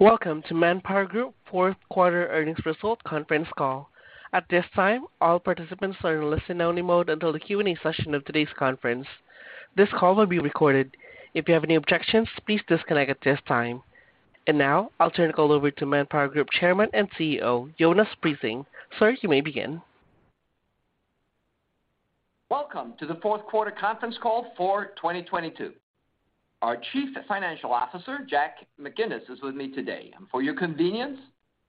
Welcome to ManpowerGroup fourth quarter earnings result conference call. At this time, all participants are in listen only mode until the Q&A session of today's conference. This call will be recorded. If you have any objections, please disconnect at this time. Now I'll turn the call over to ManpowerGroup Chairman and CEO, Jonas Prising. Sir, you may begin. Welcome to the fourth quarter conference call for 2022. Our Chief Financial Officer, Jack McGinnis, is with me today. For your convenience,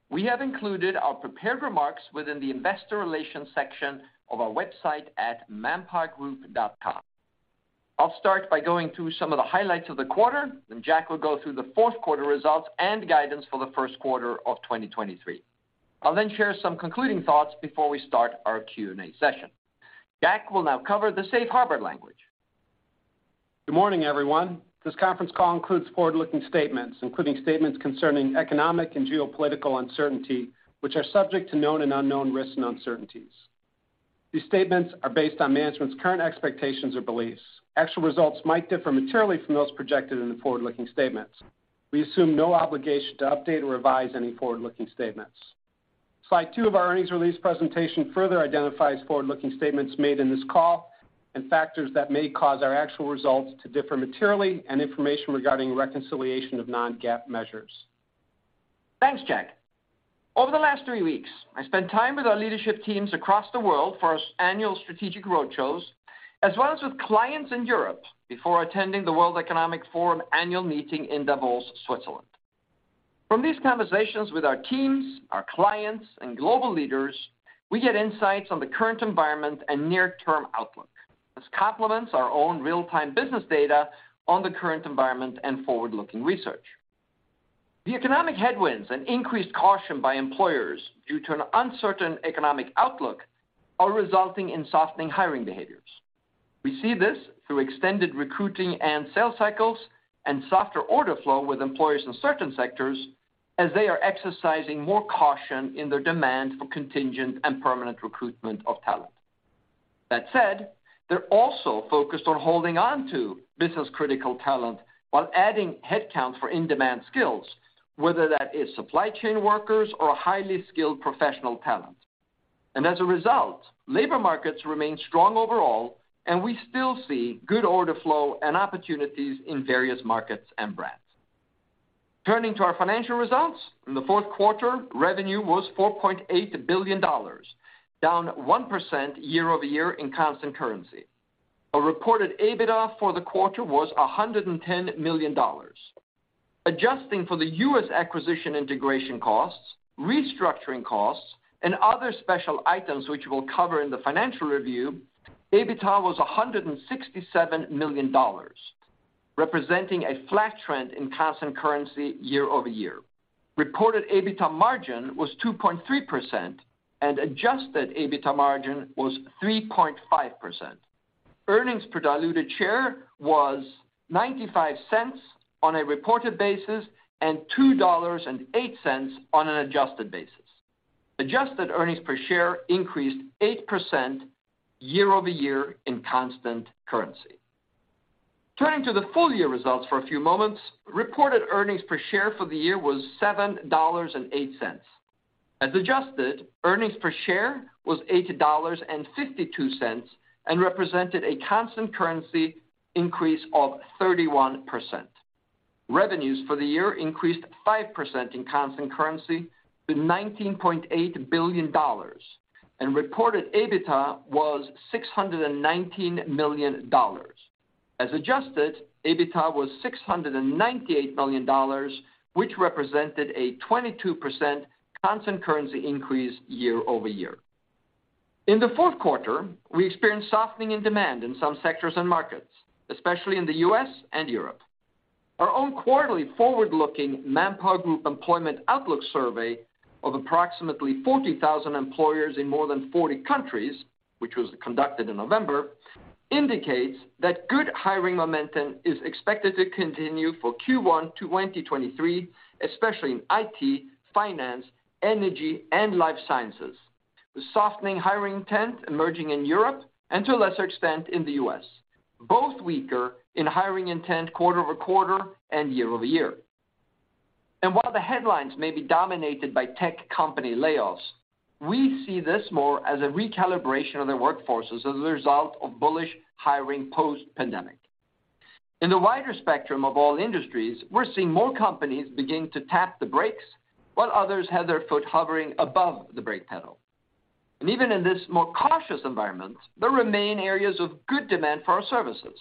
we have included our prepared remarks within the investor relations section of our website at manpowergroup.com. I'll start by going through some of the highlights of the quarter, Jack will go through the fourth quarter results and guidance for the first quarter of 2023. I'll then share some concluding thoughts before we start our Q&A session. Jack will now cover the safe harbor language. Good morning, everyone. This conference call includes forward-looking statements, including statements concerning economic and geopolitical uncertainty, which are subject to known and unknown risks and uncertainties. These statements are based on management's current expectations or beliefs. Actual results might differ materially from those projected in the forward-looking statements. We assume no obligation to update or revise any forward-looking statements. Slide two of our earnings release presentation further identifies forward-looking statements made in this call and factors that may cause our actual results to differ materially and information regarding reconciliation of non-GAAP measures. Thanks, Jack. Over the last three weeks, I spent time with our leadership teams across the world for our annual strategic roadshows, as well as with clients in Europe before attending the World Economic Forum annual meeting in Davos, Switzerland. From these conversations with our teams, our clients, and global leaders, we get insights on the current environment and near-term outlook. This complements our own real-time business data on the current environment and forward-looking research. The economic headwinds and increased caution by employers due to an uncertain economic outlook are resulting in softening hiring behaviors. We see this through extended recruiting and sales cycles and softer order flow with employers in certain sectors as they are exercising more caution in their demand for contingent and permanent recruitment of talent. That said, they're also focused on holding on to business-critical talent while adding headcount for in-demand skills, whether that is supply chain workers or highly skilled professional talent. And as a result, labor markets remain strong overall, and we still see good order flow and opportunities in various markets and brands. Turning to our financial results. In the fourth quarter, revenue was $4.8 billion, down 1% year-over-year in constant currency. Our reported EBITDA for the quarter was $110 million. Adjusting for the U.S. acquisition integration costs, restructuring costs, and other special items which we'll cover in the financial review, EBITDA was $167 million, representing a flat trend in constant currency year-over-year. Reported EBITDA margin was 2.3%, and adjusted EBITDA margin was 3.5%. Earnings per diluted share was $0.95 on a reported basis and $2.08 on an adjusted basis. Adjusted earnings per share increased 8% year-over-year in constant currency. Turning to the full year results for a few moments. Reported earnings per share for the year was $7.08. As adjusted, earnings per share was $80.52 and represented a constant currency increase of 31%. Revenues for the year increased 5% in constant currency to $19.8 billion. Reported EBITDA was $619 million. As adjusted, EBITDA was $698 million, which represented a 22% constant currency increase year-over-year. In the fourth quarter, we experienced softening in demand in some sectors and markets, especially in the U.S. and Europe. Our own quarterly forward-looking ManpowerGroup Employment Outlook survey of approximately 40,000 employers in more than 40 countries, which was conducted in November, indicates that good hiring momentum is expected to continue for Q1 2023, especially in IT, finance, energy, and life sciences, with softening hiring intent emerging in Europe and to a lesser extent in the U.S., both weaker in hiring intent quarter-over-quarter and year-over-year. While the headlines may be dominated by tech company layoffs, we see this more as a recalibration of their workforces as a result of bullish hiring post-pandemic. In the wider spectrum of all industries, we're seeing more companies begin to tap the brakes, while others have their foot hovering above the brake pedal. Even in this more cautious environment, there remain areas of good demand for our services,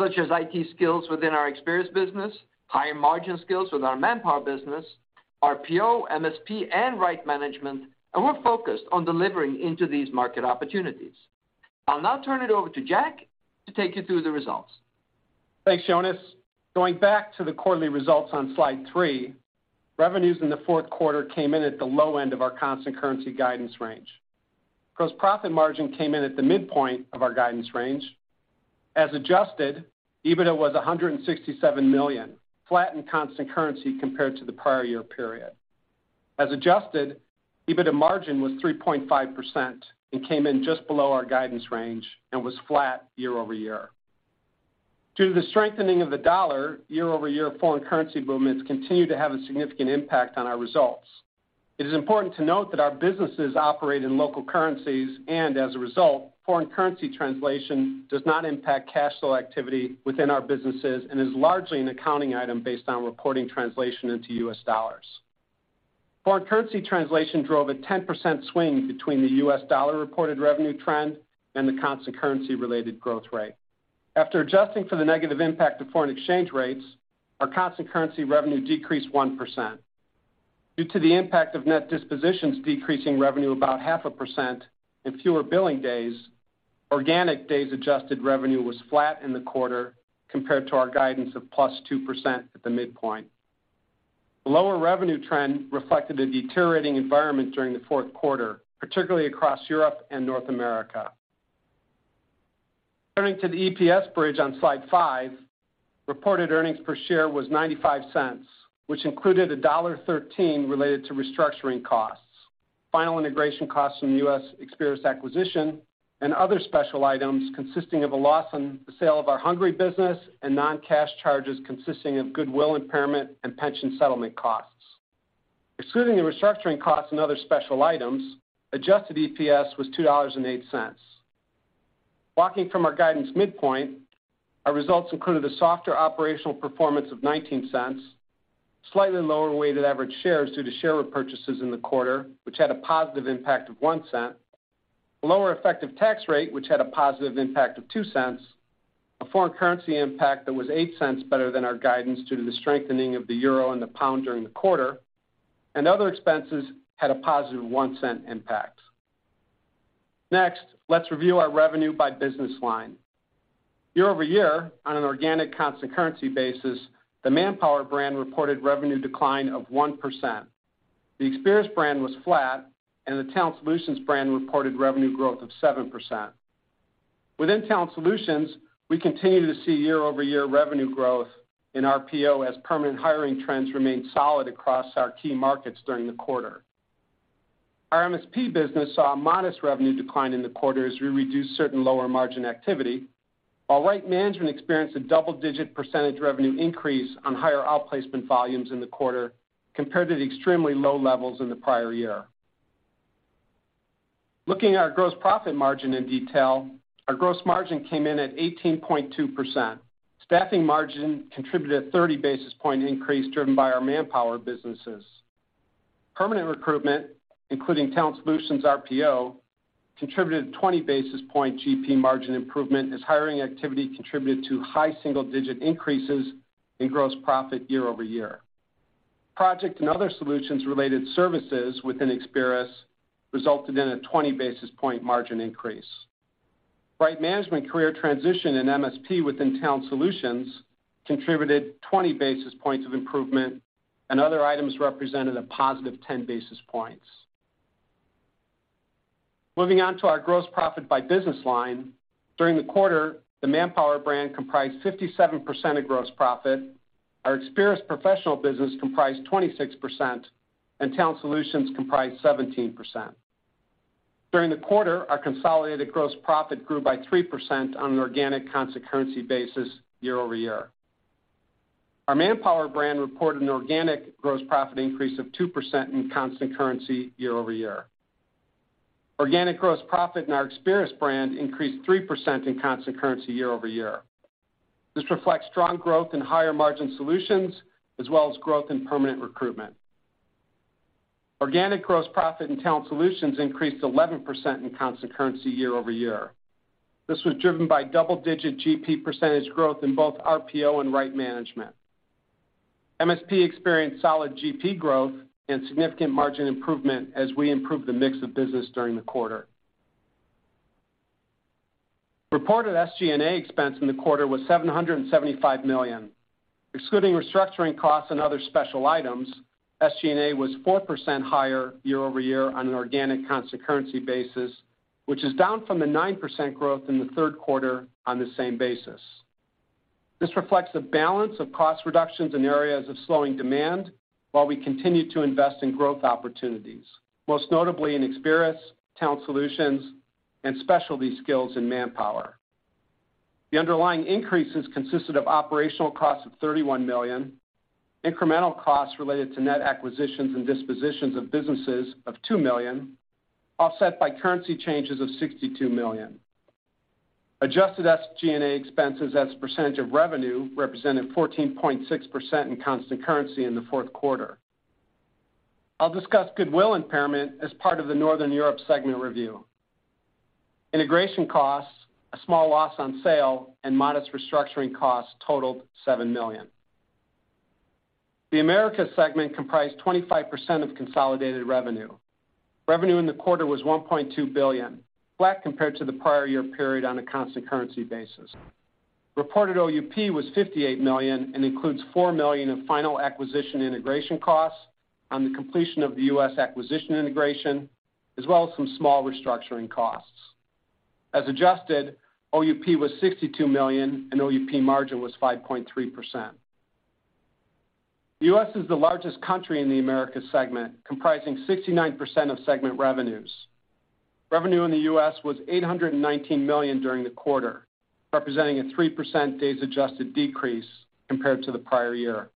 such as IT skills within our Experis business, higher margin skills with our Manpower business, RPO, MSP, and Right Management, and we're focused on delivering into these market opportunities. I'll now turn it over to Jack to take you through the results. Thanks, Jonas. Going back to the quarterly results on slide 3, revenues in the fourth quarter came in at the low end of our constant currency guidance range. Gross profit margin came in at the midpoint of our guidance range. As adjusted, EBITDA was $167 million, flat in constant currency compared to the prior year period. As adjusted, EBITDA margin was 3.5% and came in just below our guidance range and was flat year-over-year. Due to the strengthening of the dollar, year-over-year foreign currency movements continue to have a significant impact on our results. It is important to note that our businesses operate in local currencies, and as a result, foreign currency translation does not impact cash flow activity within our businesses and is largely an accounting item based on reporting translation into US dollars. Foreign currency translation drove a 10% swing between the US dollar reported revenue trend and the constant currency related growth rate. After adjusting for the negative impact of foreign exchange rates, our constant currency revenue decreased 1%. Due to the impact of net dispositions decreasing revenue about half a percent and fewer billing days, organic days adjusted revenue was flat in the quarter compared to our guidance of +2% at the midpoint. The lower revenue trend reflected a deteriorating environment during the fourth quarter, particularly across Europe and North America. Turning to the EPS bridge on slide five, reported earnings per share was $0.95, which included $1.13 related to restructuring costs, final integration costs from U.S. Experis acquisition, and other special items consisting of a loss on the sale of our Hungary business and non-cash charges consisting of goodwill impairment and pension settlement costs. Excluding the restructuring costs and other special items, adjusted EPS was $2.08. Walking from our guidance midpoint, our results included a softer operational performance of $0.19, slightly lower weighted average shares due to share repurchases in the quarter, which had a positive impact of $0.01, a lower effective tax rate, which had a positive impact of $0.02, a foreign currency impact that was $0.08 better than our guidance due to the strengthening of the euro and the pound during the quarter. Other expenses had a positive $0.01 impact. Next, let's review our revenue by business line. Year-over-year, on an organic constant currency basis, the Manpower brand reported revenue decline of 1%. The Experis brand was flat. The Talent Solutions brand reported revenue growth of 7%. Within Talent Solutions, we continue to see year-over-year revenue growth in RPO as permanent hiring trends remained solid across our key markets during the quarter. Our MSP business saw a modest revenue decline in the quarter as we reduced certain lower margin activity. While Right Management experienced a double-digit percentage revenue increase on higher outplacement volumes in the quarter compared to the extremely low levels in the prior year. Looking at our gross profit margin in detail, our gross margin came in at 18.2%. Staffing margin contributed a 30 basis point increase driven by our Manpower businesses. Permanent recruitment, including Talent Solutions RPO, contributed a 20 basis point GP margin improvement as hiring activity contributed to high single-digit increases in gross profit year-over-year. Project and other solutions related services within Experis resulted in a 20 basis point margin increase. Right Management career transition in MSP within Talent Solutions contributed 20 basis points of improvement, and other items represented a positive 10 basis points. Moving on to our gross profit by business line. During the quarter, the Manpower brand comprised 57% of gross profit. Our Experis professional business comprised 26%, and Talent Solutions comprised 17%. During the quarter, our consolidated gross profit grew by 3% on an organic constant currency basis year-over-year. Our Manpower brand reported an organic gross profit increase of 2% in constant currency year-over-year. Organic gross profit in our Experis brand increased 3% in constant currency year-over-year. This reflects strong growth in higher margin solutions as well as growth in permanent recruitment. Organic gross profit in Talent Solutions increased 11% in constant currency year-over-year. This was driven by double-digit GP percentage growth in both RPO and Right Management. MSP experienced solid GP growth and significant margin improvement as we improved the mix of business during the quarter. Reported SG&A expense in the quarter was $775 million. Excluding restructuring costs and other special items, SG&A was 4% higher year-over-year on an organic constant currency basis, which is down from the 9% growth in the third quarter on the same basis. This reflects a balance of cost reductions in areas of slowing demand while we continue to invest in growth opportunities, most notably in Experis, Talent Solutions, and specialty skills in Manpower. The underlying increases consisted of operational costs of $31 million, incremental costs related to net acquisitions and dispositions of businesses of $2 million, offset by currency changes of $62 million. Adjusted SG&A expenses as a percentage of revenue represented 14.6% in constant currency in the fourth quarter. I'll discuss goodwill impairment as part of the Northern Europe segment review. Integration costs, a small loss on sale, and modest restructuring costs totaled $7 million. The Americas segment comprised 25% of consolidated revenue. Revenue in the quarter was $1.2 billion, flat compared to the prior year period on a constant currency basis. Reported OUP was $58 million and includes $4 million in final acquisition integration costs on the completion of the U.S. acquisition integration, as well as some small restructuring costs. As adjusted, OUP was $62 million, and OUP margin was 5.3%. U.S. is the largest country in the Americas segment, comprising 69% of segment revenues. Revenue in the U.S. was $819 million during the quarter, representing a 3% days adjusted decrease compared to the prior year.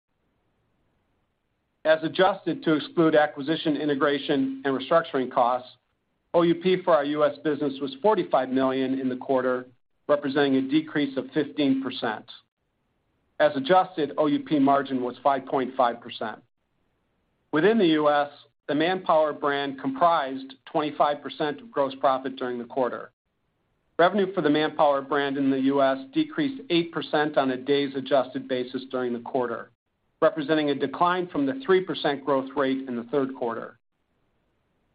As adjusted to exclude acquisition, integration, and restructuring costs, OUP for our U.S. business was $45 million in the quarter, representing a decrease of 15%. As adjusted, OUP margin was 5.5%. Within the U.S., the Manpower brand comprised 25% of gross profit during the quarter. Revenue for the Manpower brand in the U.S. decreased 8% on a days adjusted basis during the quarter, representing a decline from the 3% growth rate in the third quarter.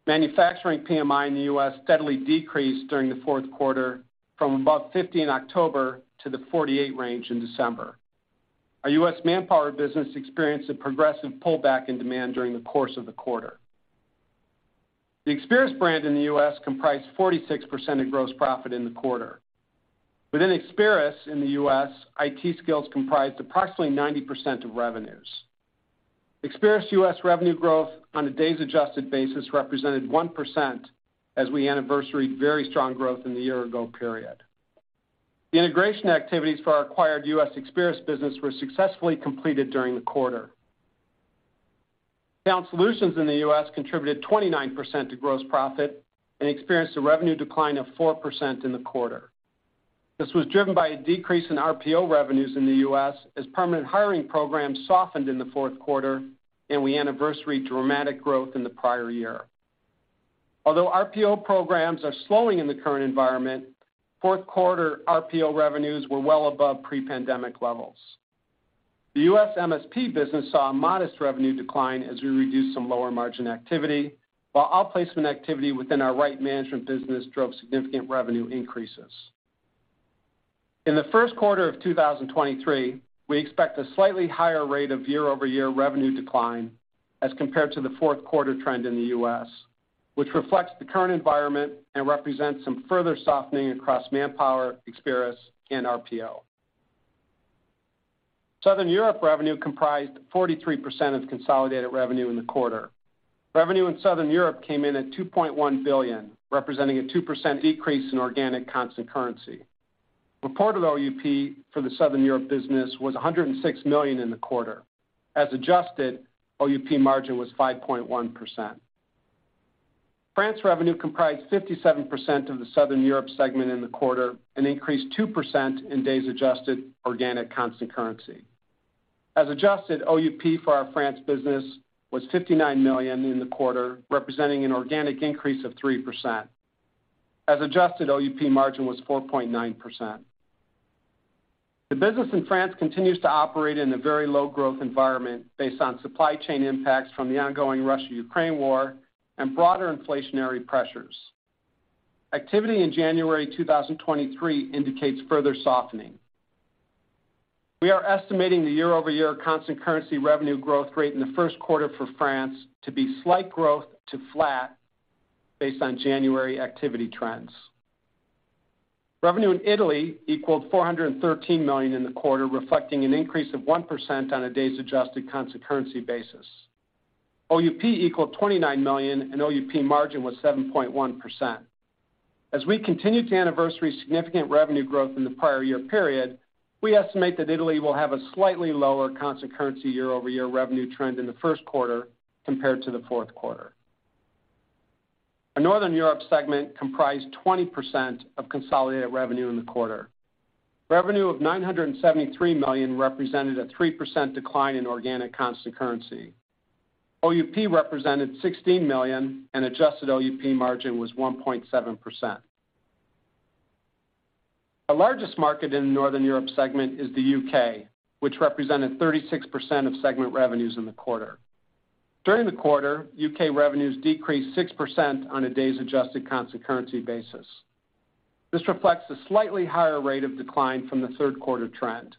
Manufacturing PMI in the U.S. steadily decreased during the fourth quarter from above 50 in October to the 48 range in December. Our U.S. Manpower business experienced a progressive pullback in demand during the course of the quarter. The Experis brand in the U.S. comprised 46% of gross profit in the quarter. Within Experis in the U.S., IT skills comprised approximately 90% of revenues. Experis U.S. revenue growth on a days adjusted basis represented 1% as we anniversaried very strong growth in the year ago period. The integration activities for our acquired U.S. Experis business were successfully completed during the quarter. Talent Solutions in the U.S. contributed 29% to gross profit and experienced a revenue decline of 4% in the quarter. This was driven by a decrease in RPO revenues in the U.S. as permanent hiring programs softened in the fourth quarter, and we anniversary dramatic growth in the prior year. Although RPO programs are slowing in the current environment, fourth quarter RPO revenues were well above pre-pandemic levels. The U.S. MSP business saw a modest revenue decline as we reduced some lower margin activity, while our placement activity within our Right Management business drove significant revenue increases. In the first quarter of 2023, we expect a slightly higher rate of year-over-year revenue decline as compared to the fourth quarter trend in the U.S., which reflects the current environment and represents some further softening across Manpower, Experis, and RPO. Southern Europe revenue comprised 43% of consolidated revenue in the quarter. Revenue in Southern Europe came in at $2.1 billion, representing a 2% decrease in organic constant currency. Reported OUP for the Southern Europe business was $106 million in the quarter. As adjusted, OUP margin was 5.1%. France revenue comprised 57% of the Southern Europe segment in the quarter and increased 2% in days adjusted organic constant currency. As adjusted, OUP for our France business was $59 million in the quarter, representing an organic increase of 3%. As adjusted, OUP margin was 4.9%. The business in France continues to operate in a very low growth environment based on supply chain impacts from the ongoing Russia-Ukraine war and broader inflationary pressures. Activity in January 2023 indicates further softening. We are estimating the year-over-year constant currency revenue growth rate in the first quarter for France to be slight growth to flat based on January activity trends. Revenue in Italy equaled $413 million in the quarter, reflecting an increase of 1% on a days adjusted constant currency basis. OUP equaled $29 million and OUP margin was 7.1%. As we continue to anniversary significant revenue growth in the prior year period, we estimate that Italy will have a slightly lower constant currency year-over-year revenue trend in the first quarter compared to the fourth quarter. Our Northern Europe segment comprised 20% of consolidated revenue in the quarter. Revenue of $973 million represented a 3% decline in organic constant currency. OUP represented $16 million and adjusted OUP margin was 1.7%. Our largest market in the Northern Europe segment is the UK, which represented 36% of segment revenues in the quarter. During the quarter, U.K. revenues decreased 6% on a days adjusted constant currency basis. This reflects a slightly higher rate of decline from the third quarter trend.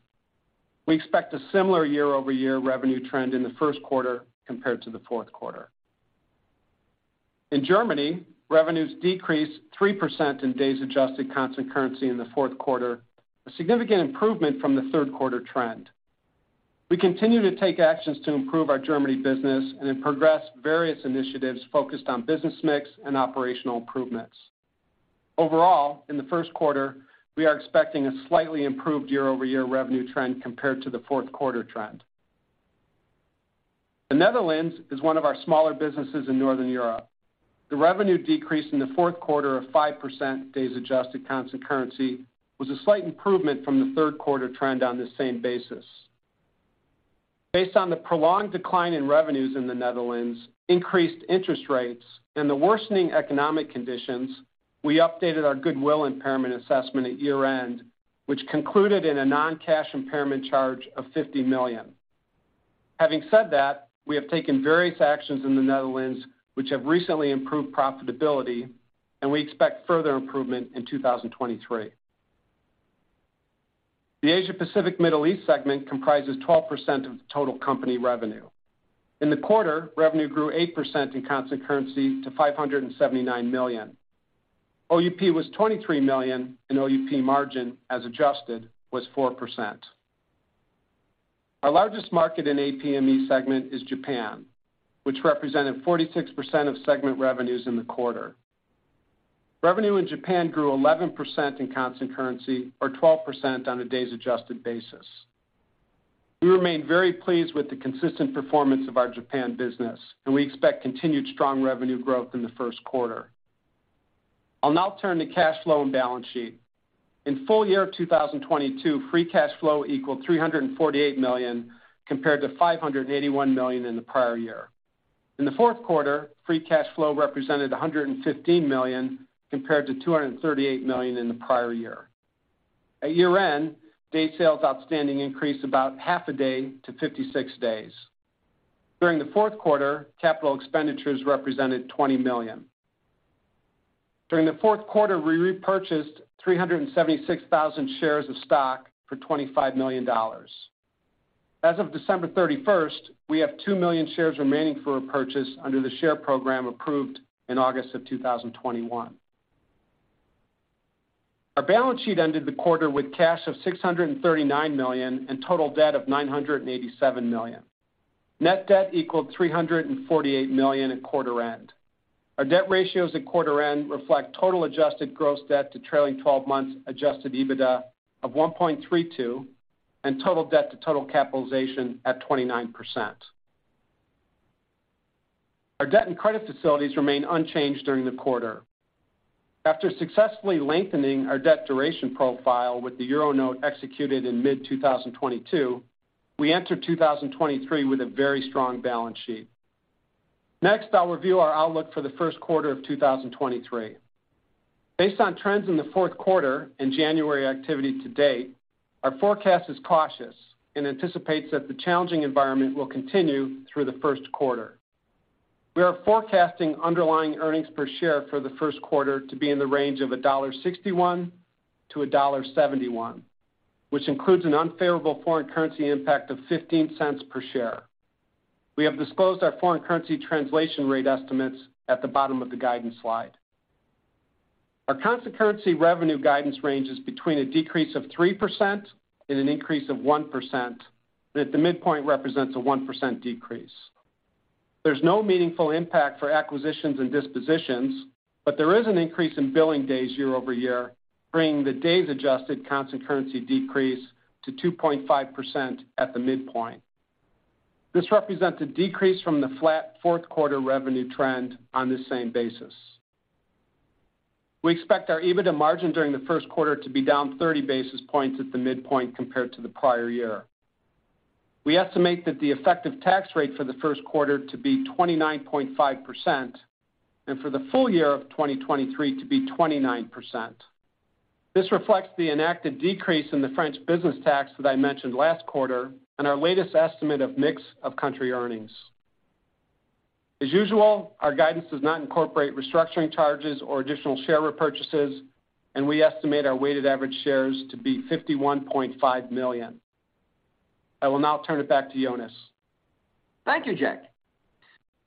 We expect a similar year-over-year revenue trend in the first quarter compared to the fourth quarter. In Germany, revenues decreased 3% in days adjusted constant currency in the fourth quarter, a significant improvement from the third quarter trend. We continue to take actions to improve our Germany business and have progressed various initiatives focused on business mix and operational improvements. Overall, in the first quarter, we are expecting a slightly improved year-over-year revenue trend compared to the fourth quarter trend. The Netherlands is one of our smaller businesses in Northern Europe. The revenue decrease in the fourth quarter of 5% days adjusted constant currency was a slight improvement from the third quarter trend on the same basis. Based on the prolonged decline in revenues in the Netherlands, increased interest rates, and the worsening economic conditions, we updated our goodwill impairment assessment at year-end, which concluded in a non-cash impairment charge of $50 million. Having said that, we have taken various actions in the Netherlands which have recently improved profitability, and we expect further improvement in 2023. The Asia Pacific Middle East segment comprises 12% of the total company revenue. In the quarter, revenue grew 8% in constant currency to $579 million. OUP was $23 million, and OUP margin, as adjusted, was 4%. Our largest market in APME segment is Japan, which represented 46% of segment revenues in the quarter. Revenue in Japan grew 11% in constant currency or 12% on a days adjusted basis. We remain very pleased with the consistent performance of our Japan business, and we expect continued strong revenue growth in the first quarter. I'll now turn to cash flow and balance sheet. In full year of 2022, free cash flow equaled $348 million compared to $581 million in the prior year. In the fourth quarter, free cash flow represented $115 million compared to $238 million in the prior year. At year-end, day sales outstanding increased about half a day to 56 days. During the fourth quarter, capital expenditures represented $20 million. During the fourth quarter, we repurchased 376,000 shares of stock for $25 million. As of December 31st, we have 2 million shares remaining for purchase under the share program approved in August 2021. Our balance sheet ended the quarter with cash of $639 million and total debt of $987 million. Net debt equaled $348 million at quarter end. Our debt ratios at quarter end reflect total adjusted gross debt to trailing 12 months adjusted EBITDA of 1.32 and total debt to total capitalization at 29%. Our debt and credit facilities remain unchanged during the quarter. After successfully lengthening our debt duration profile with the Euro note executed in mid-2022, we entered 2023 with a very strong balance sheet. Next, I'll review our outlook for the 1st quarter of 2023. Based on trends in the 4th quarter and January activity to date, our forecast is cautious and anticipates that the challenging environment will continue through the 1st quarter. We are forecasting underlying earnings per share for the 1st quarter to be in the range of $1.61 to $1.71, which includes an unfavorable foreign currency impact of $0.15 per share. We have disclosed our foreign currency translation rate estimates at the bottom of the guidance slide. Our constant currency revenue guidance range is between a decrease of 3% and an increase of 1%, that the midpoint represents a 1% decrease. There's no meaningful impact for acquisitions and dispositions, but there is an increase in billing days year-over-year, bringing the days adjusted constant currency decrease to 2.5% at the midpoint. This represents a decrease from the flat fourth quarter revenue trend on this same basis. We expect our EBITDA margin during the first quarter to be down 30 basis points at the midpoint compared to the prior year. We estimate that the effective tax rate for the first quarter to be 29.5% and for the full year of 2023 to be 29%. This reflects the enacted decrease in the French business tax that I mentioned last quarter and our latest estimate of mix of country earnings. As usual, our guidance does not incorporate restructuring charges or additional share repurchases, and we estimate our weighted average shares to be 51.5 million. I will now turn it back to Jonas. Thank you, Jack.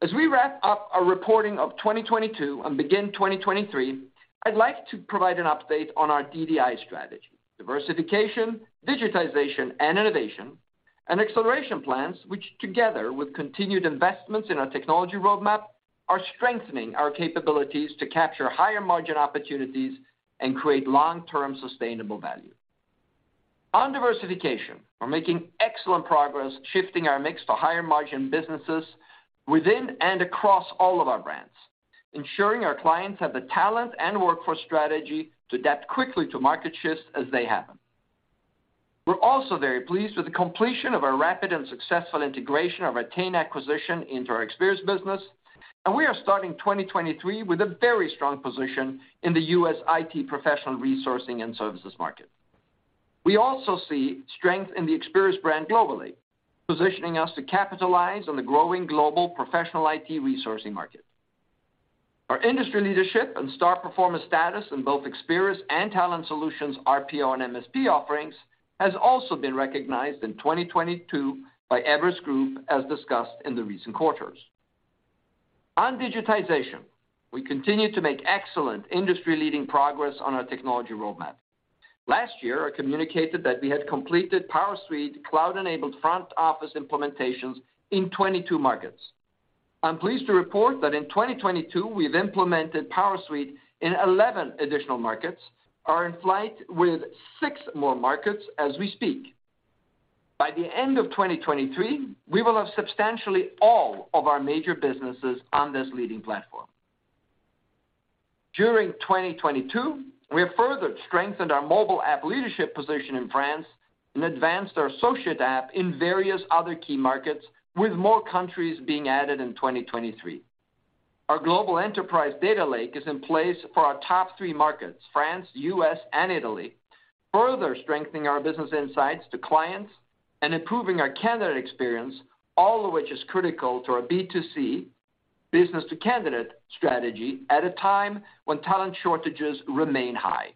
As we wrap up our reporting of 2022 and begin 2023, I'd like to provide an update on our DDI strategy, diversification, digitization, and innovation, and acceleration plans, which together with continued investments in our technology roadmap, are strengthening our capabilities to capture higher margin opportunities and create long-term sustainable value. On diversification, we're making excellent progress shifting our mix to higher margin businesses within and across all of our brands, ensuring our clients have the talent and workforce strategy to adapt quickly to market shifts as they happen. We're also very pleased with the completion of our rapid and successful integration of our Ettain Group acquisition into our Experis business. We are starting 2023 with a very strong position in the U.S. IT professional resourcing and services market. We also see strength in the Experis brand globally, positioning us to capitalize on the growing global professional IT resourcing market. Our industry leadership and star performer status in both Experis and Talent Solutions RPO and MSP offerings has also been recognized in 2022 by Everest Group, as discussed in the recent quarters. On digitization, we continue to make excellent industry-leading progress on our technology roadmap. Last year, I communicated that we had completed PowerSuite cloud-enabled front office implementations in 22 markets. I'm pleased to report that in 2022, we've implemented PowerSuite in 11 additional markets, are in flight with six more markets as we speak. By the end of 2023, we will have substantially all of our major businesses on this leading platform. During 2022, we have further strengthened our mobile app leadership position in France and advanced our associate app in various other key markets, with more countries being added in 2023. Our global enterprise data lake is in place for our top three markets, France, U.S., and Italy, further strengthening our business insights to clients and improving our candidate experience, all of which is critical to our B2C business to candidate strategy at a time when talent shortages remain high.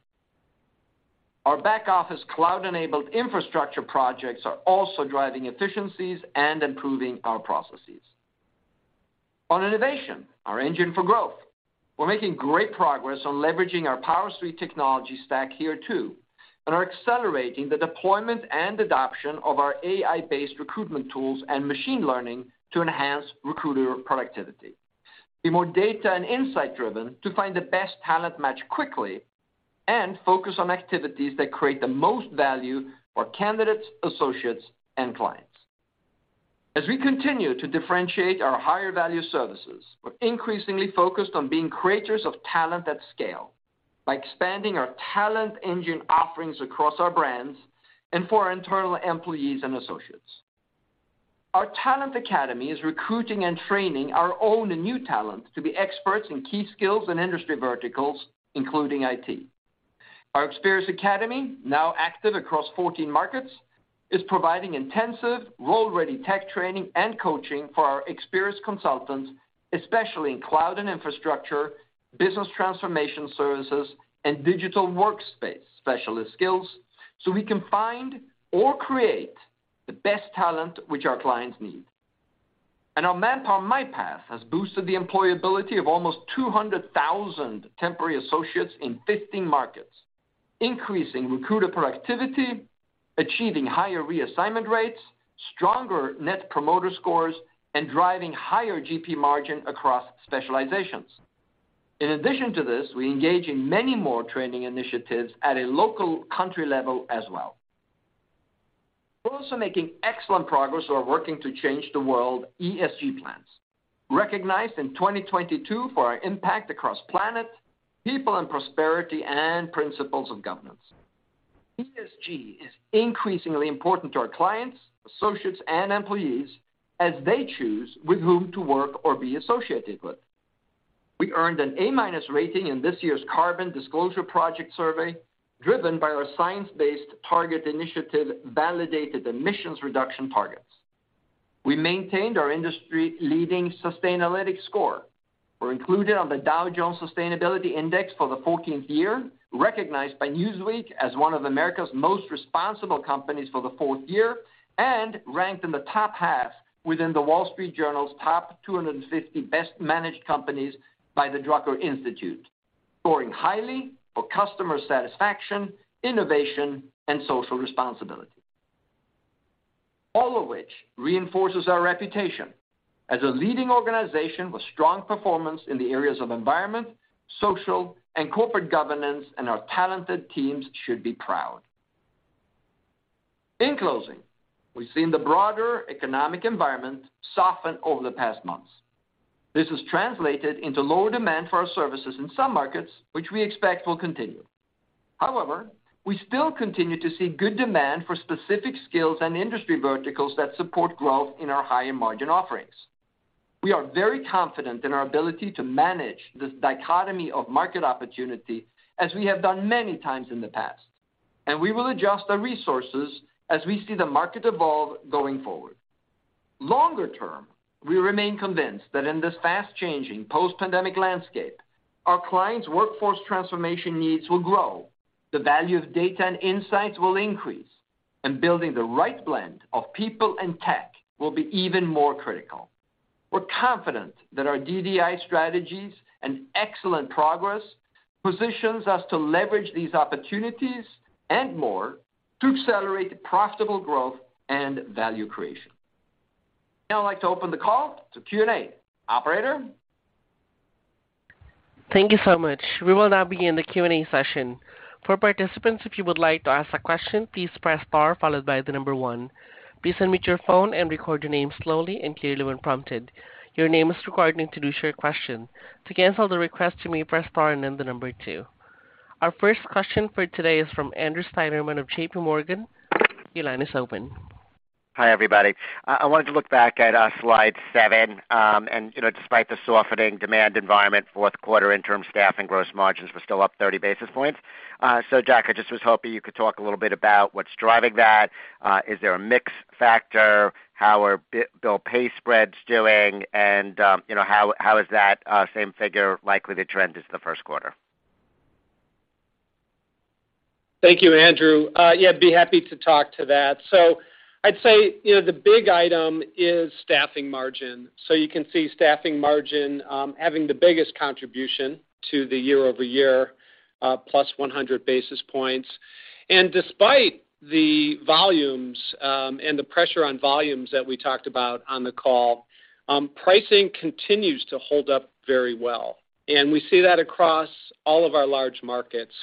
Our back office cloud-enabled infrastructure projects are also driving efficiencies and improving our processes. On innovation, our engine for growth, we're making great progress on leveraging our PowerSuite technology stack here too, and are accelerating the deployment and adoption of our AI-based recruitment tools and machine learning to enhance recruiter productivity. Be more data and insight-driven to find the best talent match quickly and focus on activities that create the most value for candidates, associates, and clients. As we continue to differentiate our higher value services, we're increasingly focused on being creators of talent at scale by expanding our talent engine offerings across our brands and for our internal employees and associates. Our Talent Academy is recruiting and training our own new talent to be experts in key skills and industry verticals, including IT. Our Experis Academy, now active across 14 markets, is providing intensive role-ready tech training and coaching for our Experis consultants, especially in cloud and infrastructure, business transformation services, and digital workspace specialist skills, so we can find or create the best talent which our clients need. Our Manpower MyPath has boosted the employability of almost 200,000 temporary associates in 15 markets, increasing recruiter productivity, achieving higher reassignment rates, stronger Net Promoter Scores, and driving higher GP margin across specializations. In addition to this, we engage in many more training initiatives at a local country level as well. We're also making excellent progress on our Working to Change the World ESG plans, recognized in 2022 for our impact across planet, people and prosperity, and principles of governance. ESG is increasingly important to our clients, associates, and employees as they choose with whom to work or be associated with. We earned an A-minus rating in this year's Carbon Disclosure Project survey, driven by our Science Based Targets initiative validated emissions reduction targets. We maintained our industry-leading Sustainalytics score. We're included on the Dow Jones Sustainability Indices for the 14th year, recognized by Newsweek as one of America's most responsible companies for the 4th year, and ranked in the top half within The Wall Street Journal's top 250 best managed companies by the Drucker Institute, scoring highly for customer satisfaction, innovation, and social responsibility. All of which reinforces our reputation as a leading organization with strong performance in the areas of environment, social, and corporate governance, and our talented teams should be proud. In closing, we've seen the broader economic environment soften over the past months. This has translated into lower demand for our services in some markets, which we expect will continue. However, we still continue to see good demand for specific skills and industry verticals that support growth in our higher margin offerings. We are very confident in our ability to manage this dichotomy of market opportunity as we have done many times in the past. We will adjust our resources as we see the market evolve going forward. Longer term, we remain convinced that in this fast-changing post-pandemic landscape, our clients' workforce transformation needs will grow, the value of data and insights will increase. Building the right blend of people and tech will be even more critical. We're confident that our DDI strategies and excellent progress positions us to leverage these opportunities and more to accelerate profitable growth and value creation. Now I'd like to open the call to Q&A. Operator? Thank you so much. We will now begin the Q&A session. For participants, if you would like to ask a question, please press star followed by one. Please unmute your phone and record your name slowly and clearly when prompted. Your name is required to introduce your question. To cancel the request, you may press star and then two. Our first question for today is from Andrew Steinerman of JPMorgan. Your line is open. Hi, everybody. I wanted to look back at slide seven. You know, despite the softening demand environment, fourth quarter interim staffing gross margins were still up 30 basis points. Jack, I just was hoping you could talk a little bit about what's driving that. Is there a mix factor? How are bill pay spreads doing? You know, how is that same figure likely to trend into the first quarter? Thank you, Andrew. Yeah, I'd be happy to talk to that. I'd say, you know, the big item is staffing margin. You can see staffing margin, having the biggest contribution to the year-over-year, plus 100 basis points. Despite the volumes, and the pressure on volumes that we talked about on the call, pricing continues to hold up very well. We see that across all of our large markets.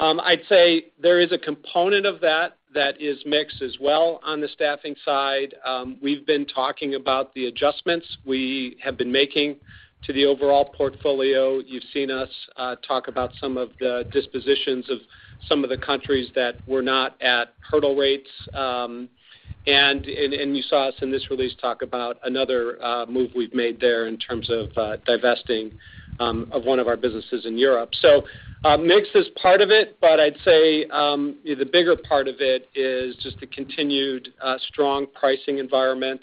I'd say there is a component of that that is mix as well on the staffing side. We've been talking about the adjustments we have been making to the overall portfolio. You've seen us talk about some of the dispositions of some of the countries that were not at hurdle rates. You saw us in this release talk about another move we've made there in terms of divesting of one of our businesses in Europe. Mix is part of it, but I'd say, you know, the bigger part of it is just the continued strong pricing environment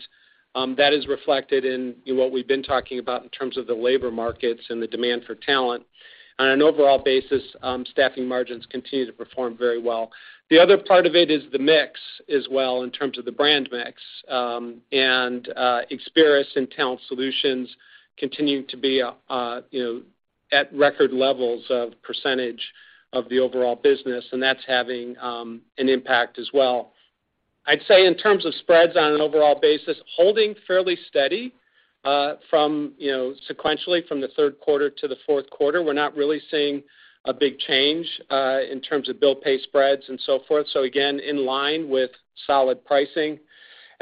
that is reflected in, you know, what we've been talking about in terms of the labor markets and the demand for talent. On an overall basis, staffing margins continue to perform very well. The other part of it is the mix as well in terms of the brand mix. Experis and Talent Solutions continue to be a, you know- At record levels of percentage of the overall business, and that's having an impact as well. I'd say in terms of spreads on an overall basis, holding fairly steady, from, you know, sequentially from the third quarter to the fourth quarter. We're not really seeing a big change, in terms of bill pay spreads and so forth. Again, in line with solid pricing.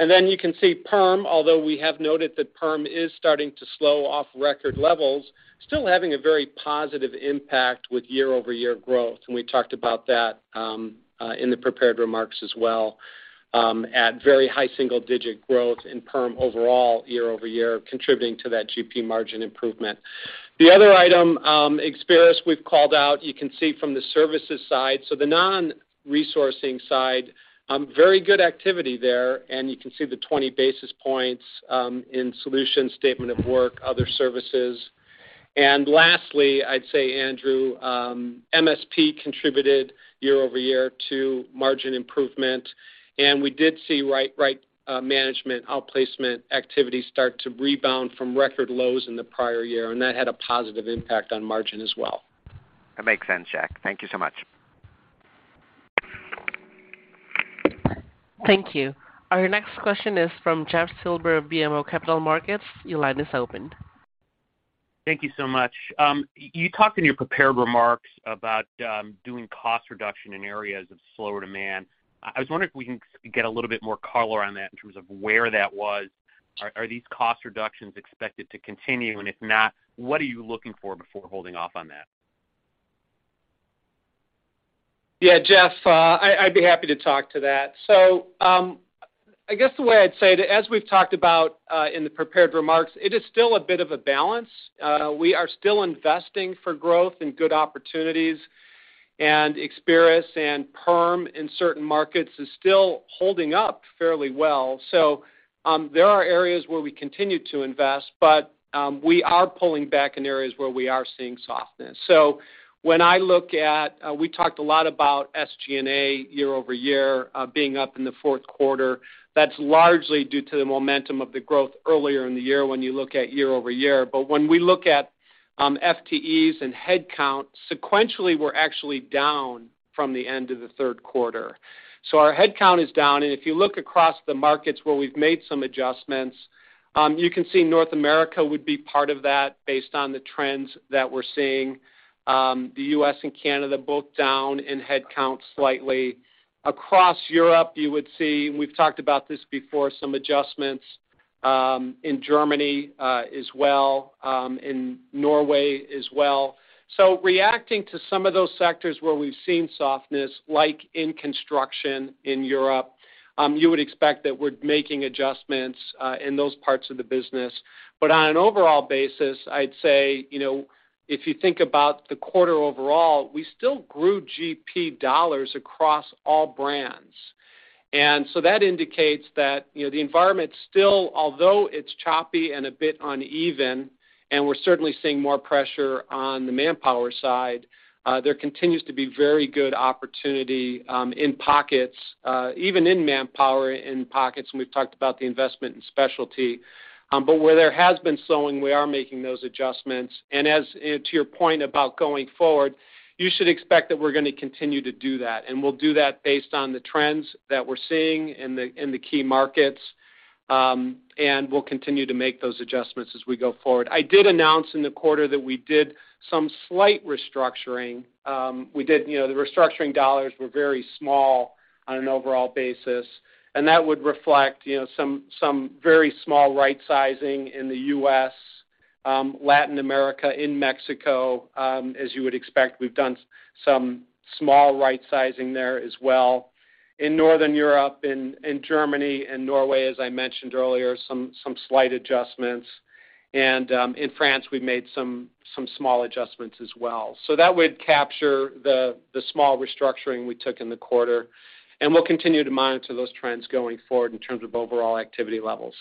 Then you can see perm, although we have noted that perm is starting to slow off record levels, still having a very positive impact with year-over-year growth. We talked about that, in the prepared remarks as well, at very high single-digit growth in perm overall year-over-year, contributing to that GP margin improvement. The other item, Experis we've called out, you can see from the services side. The non-resourcing side, very good activity there, and you can see the 20 basis points in solution, statement of work, other services. Lastly, I'd say, Andrew, MSP contributed year-over-year to margin improvement. We did see Right Management outplacement activity start to rebound from record lows in the prior year, and that had a positive impact on margin as well. That makes sense, Jack. Thank you so much. Thank you. Our next question is from Jeff Silber of BMO Capital Markets. Your line is open. Thank you so much. You talked in your prepared remarks about doing cost reduction in areas of slower demand. I was wondering if we can get a little bit more color on that in terms of where that was. Are these cost reductions expected to continue? If not, what are you looking for before holding off on that? Yeah. Jeff, I'd be happy to talk to that. I guess the way I'd say it, as we've talked about, in the prepared remarks, it is still a bit of a balance. We are still investing for growth and good opportunities, and Experis and perm in certain markets is still holding up fairly well. There are areas where we continue to invest, but, we are pulling back in areas where we are seeing softness. When I look at, we talked a lot about SG&A year-over-year, being up in the fourth quarter. That's largely due to the momentum of the growth earlier in the year when you look at year-over-year. When we look at, FTEs and headcount, sequentially, we're actually down from the end of the third quarter. Our headcount is down. If you look across the markets where we've made some adjustments, you can see North America would be part of that based on the trends that we're seeing, the U.S. and Canada both down in headcount slightly. Across Europe, you would see, and we've talked about this before, some adjustments, in Germany, as well, in Norway as well. Reacting to some of those sectors where we've seen softness, like in construction in Europe, you would expect that we're making adjustments in those parts of the business. On an overall basis, I'd say, you know, if you think about the quarter overall, we still grew $ GP across all brands. That indicates that, you know, the environment still, although it's choppy and a bit uneven, and we're certainly seeing more pressure on the Manpower side, there continues to be very good opportunity in pockets, even in Manpower in pockets, and we've talked about the investment in specialty. Where there has been slowing, we are making those adjustments. As to your point about going forward, you should expect that we're gonna continue to do that. We'll do that based on the trends that we're seeing in the, in the key markets, and we'll continue to make those adjustments as we go forward. I did announce in the quarter that we did some slight restructuring. We did, you know, the restructuring dollars were very small on an overall basis. That would reflect, you know, some very small right-sizing in the U.S., Latin America, in Mexico. As you would expect, we've done some small right-sizing there as well. In Northern Europe, in Germany and Norway, as I mentioned earlier, some slight adjustments. In France, we've made some small adjustments as well. That would capture the small restructuring we took in the quarter, and we'll continue to monitor those trends going forward in terms of overall activity levels.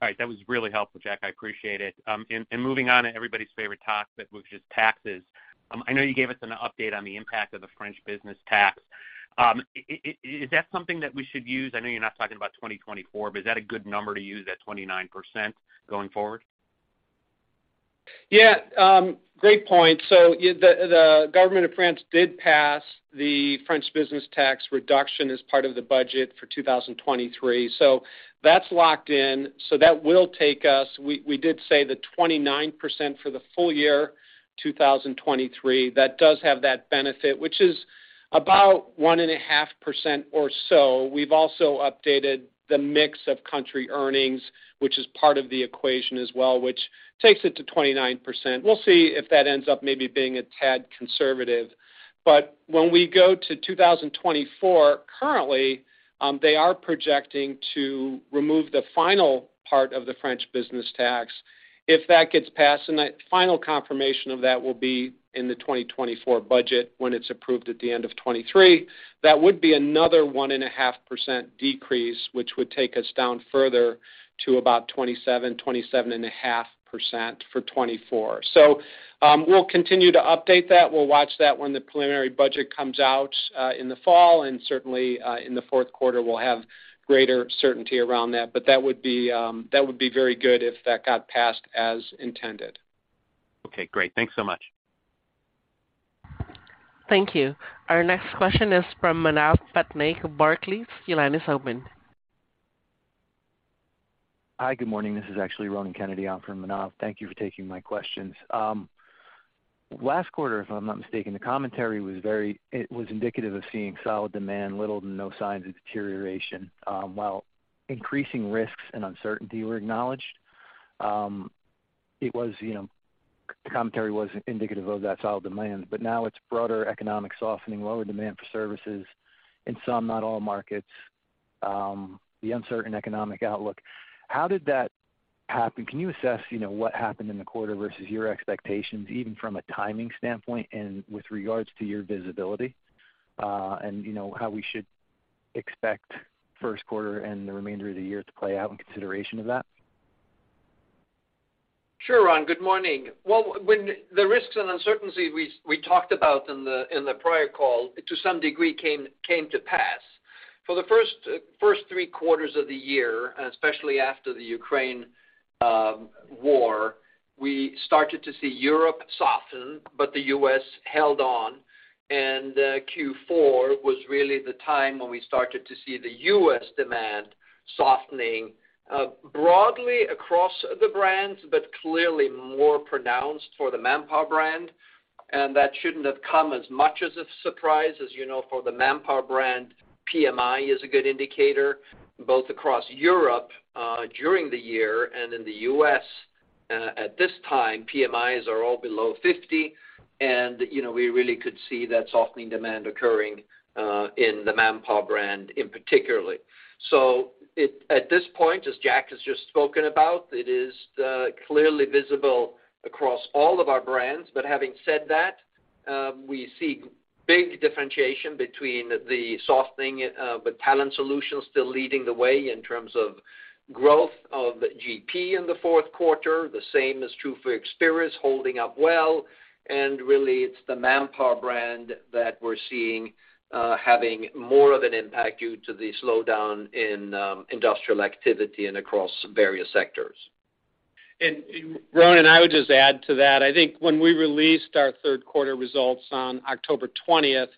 All right. That was really helpful, Jack. I appreciate it. Moving on to everybody's favorite topic, which is taxes. I know you gave us an update on the impact of the French Business Tax. Is that something that we should use? I know you're not talking about 2024, is that a good number to use, that 29% going forward? Great point. The government of France did pass the French business tax reduction as part of the budget for 2023. That's locked in, so that will take us... We did say the 29% for the full year 2023. That does have that benefit, which is about 1.5% or so. We've also updated the mix of country earnings, which is part of the equation as well, which takes it to 29%. We'll see if that ends up maybe being a tad conservative. When we go to 2024, currently, they are projecting to remove the final part of the French business tax. If that gets passed, and that final confirmation of that will be in the 2024 budget when it's approved at the end of 2023, that would be another 1.5% decrease, which would take us down further to about 27%, 27.5% for 2024. We'll continue to update that. We'll watch that when the preliminary budget comes out in the fall, and certainly, in the 4th quarter, we'll have greater certainty around that. That would be very good if that got passed as intended. Okay, great. Thanks so much. Thank you. Our next question is from Manav Patnaik of Barclays. Your line is open. Hi, good morning. This is actually Ronan Kennedy on for Manav Patnaik. Thank you for taking my questions. Last quarter, if I'm not mistaken, the commentary was it was indicative of seeing solid demand, little to no signs of deterioration. While increasing risks and uncertainty were acknowledged, it was, you know, the commentary was indicative of that solid demand. Now it's broader economic softening, lower demand for services in some, not all markets, the uncertain economic outlook. How did that happen? Can you assess, you know, what happened in the quarter versus your expectations, even from a timing standpoint and with regards to your visibility, and you know, how we should expect first quarter and the remainder of the year to play out in consideration of that? Sure, Ron, good morning. Well, when the risks and uncertainty we talked about in the prior call, to some degree, came to pass. For the first three quarters of the year, especially after the Ukraine war, we started to see Europe soften, but the U.S. held on. Q4 was really the time when we started to see the U.S. demand softening broadly across the brands, but clearly more pronounced for the Manpower brand. That shouldn't have come as much as a surprise. As you know, for the Manpower brand, PMI is a good indicator, both across Europe during the year and in the U.S. At this time, PMIs are all below 50, and, you know, we really could see that softening demand occurring in the Manpower brand in particularly. At this point, as Jack has just spoken about, it is clearly visible across all of our brands. Having said that, we see big differentiation between the softening, with Talent Solutions still leading the way in terms of growth of GP in the fourth quarter. The same is true for Experis holding up well. Really it's the Manpower brand that we're seeing having more of an impact due to the slowdown in industrial activity and across various sectors. Ron, I would just add to that. I think when we released our third quarter results on October 20th,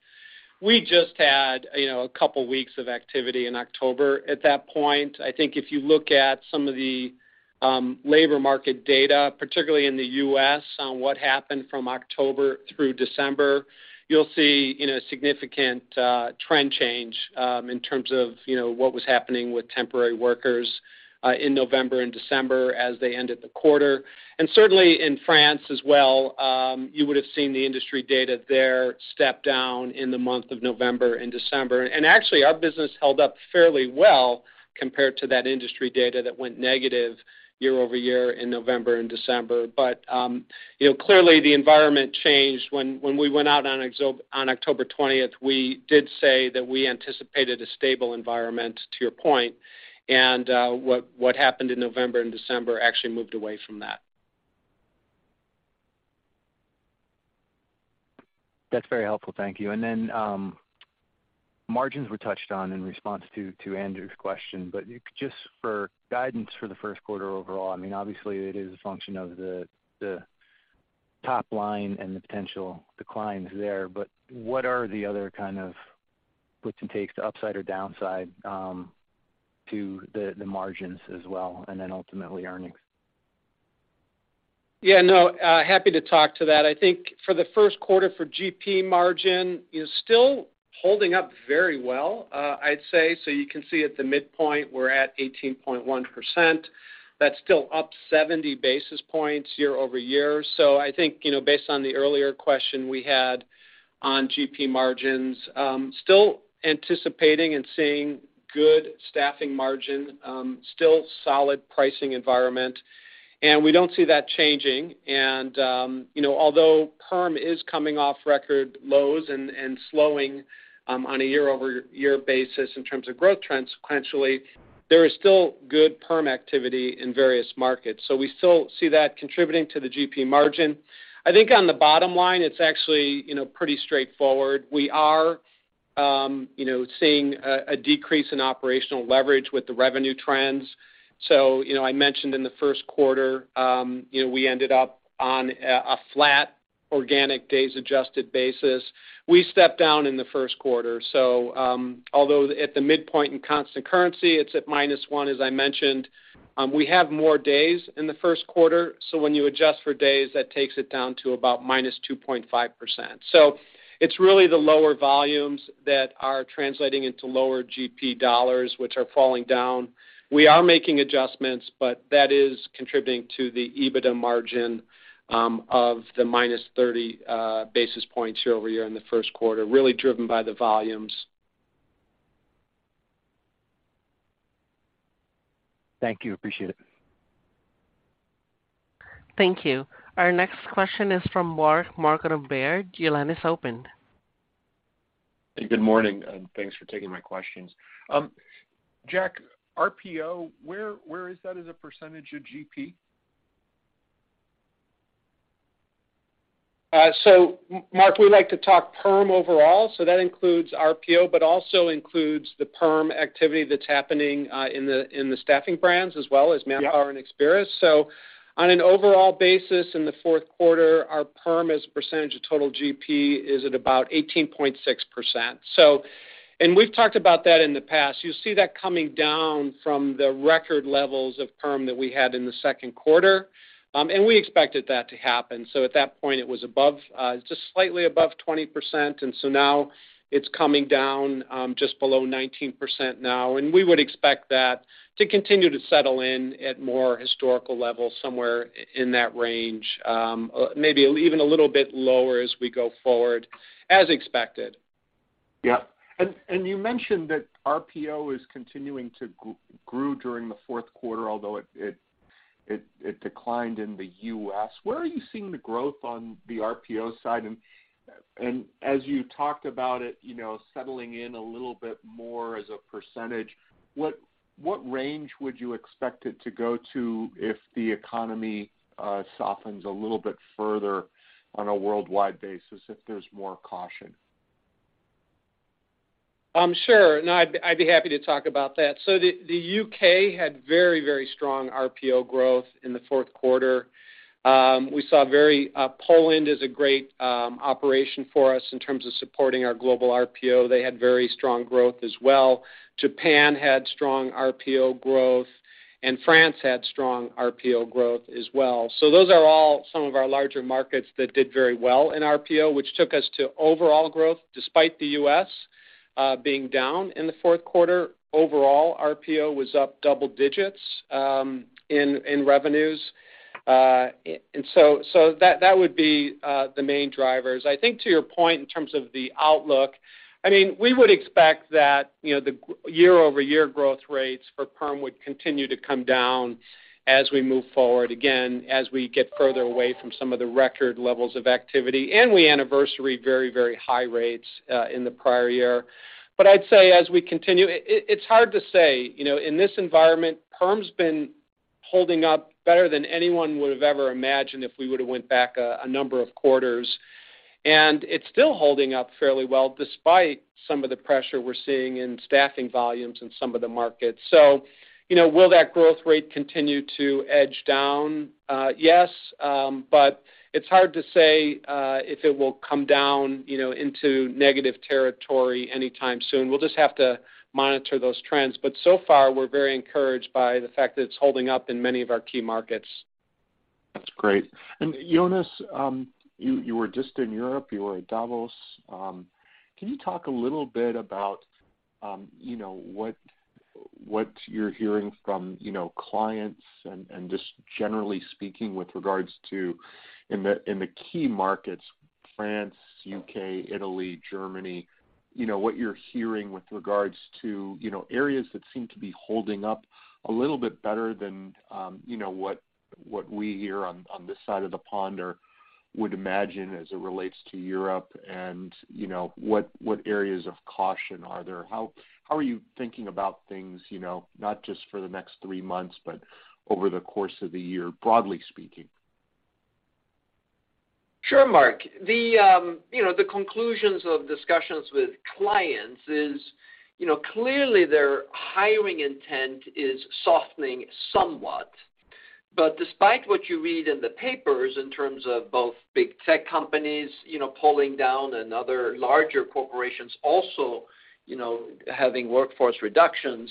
we just had, you know, a couple weeks of activity in October at that point. I think if you look at some of the labor market data, particularly in the U.S., on what happened from October through December, you'll see, you know, significant trend change in terms of, you know, what was happening with temporary workers in November and December as they ended the quarter. Certainly in France as well, you would have seen the industry data there step down in the month of November and December. Actually, our business held up fairly well compared to that industry data that went negative year-over-year in November and December. You know, clearly the environment changed. When we went out on October 20th, we did say that we anticipated a stable environment, to your point. What happened in November and December actually moved away from that. That's very helpful. Thank you. Margins were touched on in response to Andrew's question. Just for guidance for the first quarter overall, I mean, obviously it is a function of the top line and the potential declines there. What are the other kind of gives and takes to upside or downside to the margins as well, and then ultimately earnings? Yeah, no, happy to talk to that. I think for the first quarter for GP margin is still holding up very well, I'd say. You can see at the midpoint, we're at 18.1%. That's still up 70 basis points year-over-year. I think, you know, based on the earlier question we had on GP margins, still anticipating and seeing good staffing margin, still solid pricing environment, and we don't see that changing. You know, although perm is coming off record lows and slowing, on a year-over-year basis in terms of growth trends sequentially, there is still good perm activity in various markets. We still see that contributing to the GP margin. I think on the bottom line, it's actually, you know, pretty straightforward. We are, you know, seeing a decrease in operational leverage with the revenue trends. You know, I mentioned in the first quarter, you know, we ended up on a flat organic days adjusted basis. We stepped down in the first quarter. Although at the midpoint in constant currency, it's at -1, as I mentioned, we have more days in the first quarter. When you adjust for days, that takes it down to about -2.5%. It's really the lower volumes that are translating into lower GP dollars, which are falling down. We are making adjustments, but that is contributing to the EBITDA margin of the -30 basis points year-over-year in the first quarter, really driven by the volumes. Thank you. Appreciate it. Thank you. Our next question is from Mark of Baird. Your line is open. Good morning, thanks for taking my questions. Jack, RPO, where is that as a percentage of GP? Mark, we like to talk perm overall, that includes RPO, also includes the perm activity that's happening, in the staffing brands as well as Manpower and Experis. Yeah. On an overall basis in the fourth quarter, our perm as a percentage of total GP is at about 18.6%. We've talked about that in the past. You see that coming down from the record levels of perm that we had in the second quarter. We expected that to happen. At that point, it was just slightly above 20%, and now it's coming down, just below 19% now. We would expect that to continue to settle in at more historical levels somewhere in that range, maybe even a little bit lower as we go forward, as expected. Yeah. You mentioned that RPO is continuing to grew during the fourth quarter, although it declined in the U.S. Where are you seeing the growth on the RPO side? As you talked about it, you know, settling in a little bit more as a percentage, what range would you expect it to go to if the economy softens a little bit further on a worldwide basis, if there's more caution? Sure. No, I'd be happy to talk about that. The U.K. had very, very strong RPO growth in the fourth quarter. We saw Poland is a great operation for us in terms of supporting our global RPO. They had very strong growth as well. Japan had strong RPO growth, and France had strong RPO growth as well. Those are all some of our larger markets that did very well in RPO, which took us to overall growth, despite the U.S. being down in the fourth quarter. Overall, RPO was up double digits in revenues. That would be the main drivers. I think to your point in terms of the outlook, I mean, we would expect that, you know, the year-over-year growth rates for perm would continue to come down as we move forward, again, as we get further away from some of the record levels of activity, and we anniversary very high rates in the prior year. I'd say as we continue, it's hard to say, you know, in this environment, perm's been holding up better than anyone would have ever imagined if we would've went back a number of quarters. It's still holding up fairly well, despite some of the pressure we're seeing in staffing volumes in some of the markets. You know, will that growth rate continue to edge down? Yes, but it's hard to say, if it will come down, you know, into negative territory anytime soon. We'll just have to monitor those trends. So far, we're very encouraged by the fact that it's holding up in many of our key markets. That's great. Jonas, you were just in Europe, you were at Davos. Can you talk a little bit about, you know, what you're hearing from, you know, clients and just generally speaking with regards to in the key markets, France, U.K., Italy, Germany, you know, what you're hearing with regards to, you know, areas that seem to be holding up a little bit better than, you know, what we hear on this side of the pond or would imagine as it relates to Europe and, you know, what areas of caution are there? How are you thinking about things, you know, not just for the next three months, but over the course of the year, broadly speaking? Sure, Mark. The, you know, the conclusions of discussions with clients is, you know, clearly their hiring intent is softening somewhat. Despite what you read in the papers in terms of both big tech companies, you know, pulling down and other larger corporations also, you know, having workforce reductions,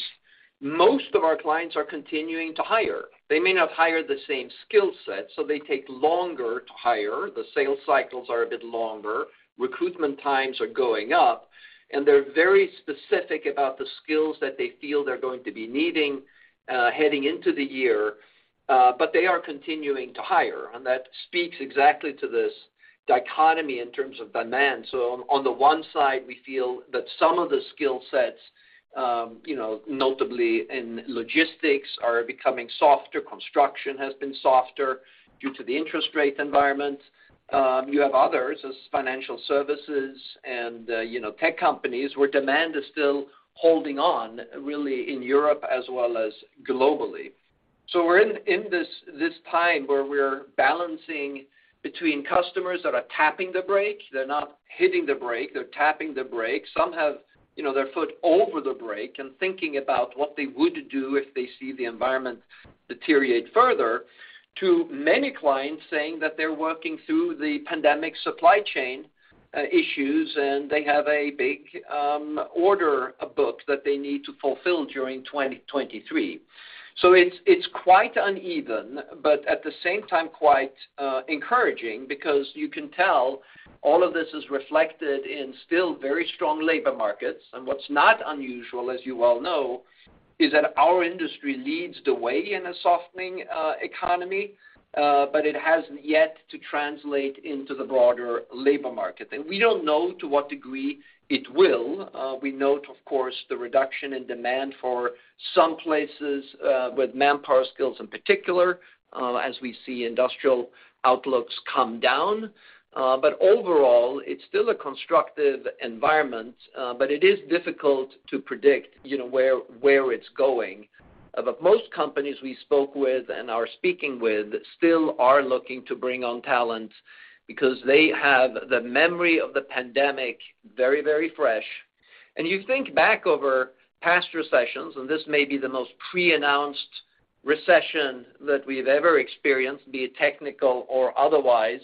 most of our clients are continuing to hire. They may not hire the same skill set, so they take longer to hire. The sales cycles are a bit longer. Recruitment times are going up, and they're very specific about the skills that they feel they're going to be needing, heading into the year, but they are continuing to hire, and that speaks exactly to this dichotomy in terms of demand. On, on the one side, we feel that some of the skill sets, you know, notably in logistics are becoming softer. Construction has been softer due to the interest rate environment. You have others as financial services and, you know, tech companies where demand is still holding on really in Europe as well as globally. We're in this time where we're balancing between customers that are tapping the brake. They're not hitting the brake, they're tapping the brake. Some have, you know, their foot over the brake and thinking about what they would do if they see the environment deteriorate further to many clients saying that they're working through the pandemic supply chain issues, and they have a big order of books that they need to fulfill during 2023. It's quite uneven, but at the same time, quite encouraging because you can tell all of this is reflected in still very strong labor markets. What's not unusual, as you well know, is that our industry leads the way in a softening economy, but it has yet to translate into the broader labor market. We don't know to what degree it will. We note, of course, the reduction in demand for some places, with Manpower skills in particular, as we see industrial outlooks come down. Overall, it's still a constructive environment, but it is difficult to predict, you know, where it's going. Most companies we spoke with and are speaking with still are looking to bring on talent because they have the memory of the pandemic very fresh. You think back over past recessions, and this may be the most pre-announced recession that we've ever experienced, be it technical or otherwise.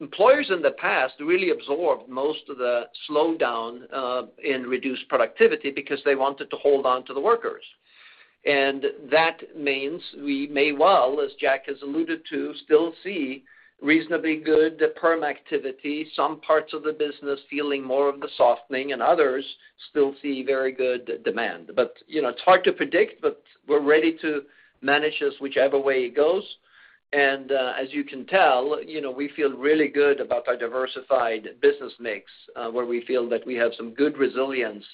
Employers in the past really absorbed most of the slowdown in reduced productivity because they wanted to hold on to the workers. That means we may well, as Jack has alluded to, still see reasonably good perm activity, some parts of the business feeling more of the softening and others still see very good demand. You know, it's hard to predict, but we're ready to manage this whichever way it goes. As you can tell, you know, we feel really good about our diversified business mix, where we feel that we have some good resilience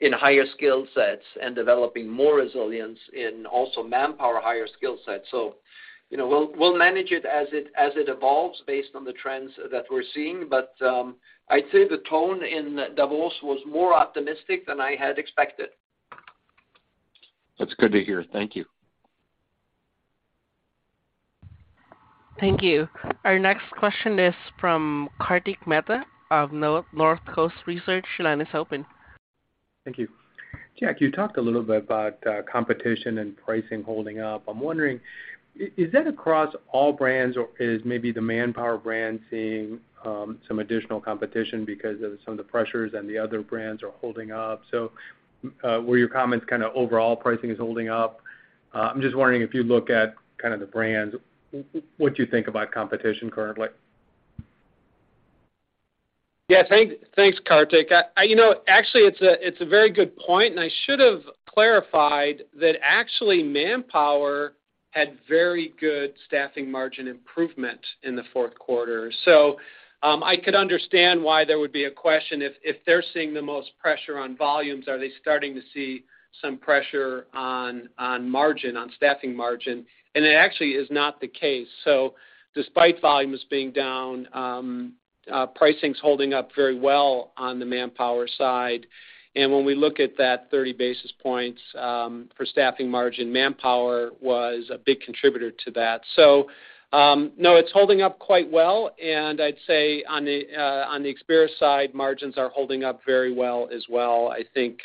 in higher skill sets and developing more resilience in also Manpower higher skill sets. You know, we'll manage it as it evolves based on the trends that we're seeing. I'd say the tone in Davos was more optimistic than I had expected. That's good to hear. Thank you. Thank you. Our next question is from Kartik Mehta of Northcoast Research. Your line is open. Thank you. Jack, you talked a little bit about competition and pricing holding up. I'm wondering, is that across all brands or is maybe the Manpower brand seeing some additional competition because of some of the pressures and the other brands are holding up? Were your comments kind of overall pricing is holding up? I'm just wondering, if you look at kind of the brands, what do you think about competition currently? Yes. Thanks, Kartik. You know, actually it's a very good point. I should have clarified that actually Manpower had very good staffing margin improvement in the fourth quarter. I could understand why there would be a question if they're seeing the most pressure on volumes, are they starting to see some pressure on margin, on staffing margin? It actually is not the case. Despite volumes being down, pricing's holding up very well on the Manpower side. When we look at that 30 basis points for staffing margin, Manpower was a big contributor to that. No, it's holding up quite well. I'd say on the Experis side, margins are holding up very well as well. I think,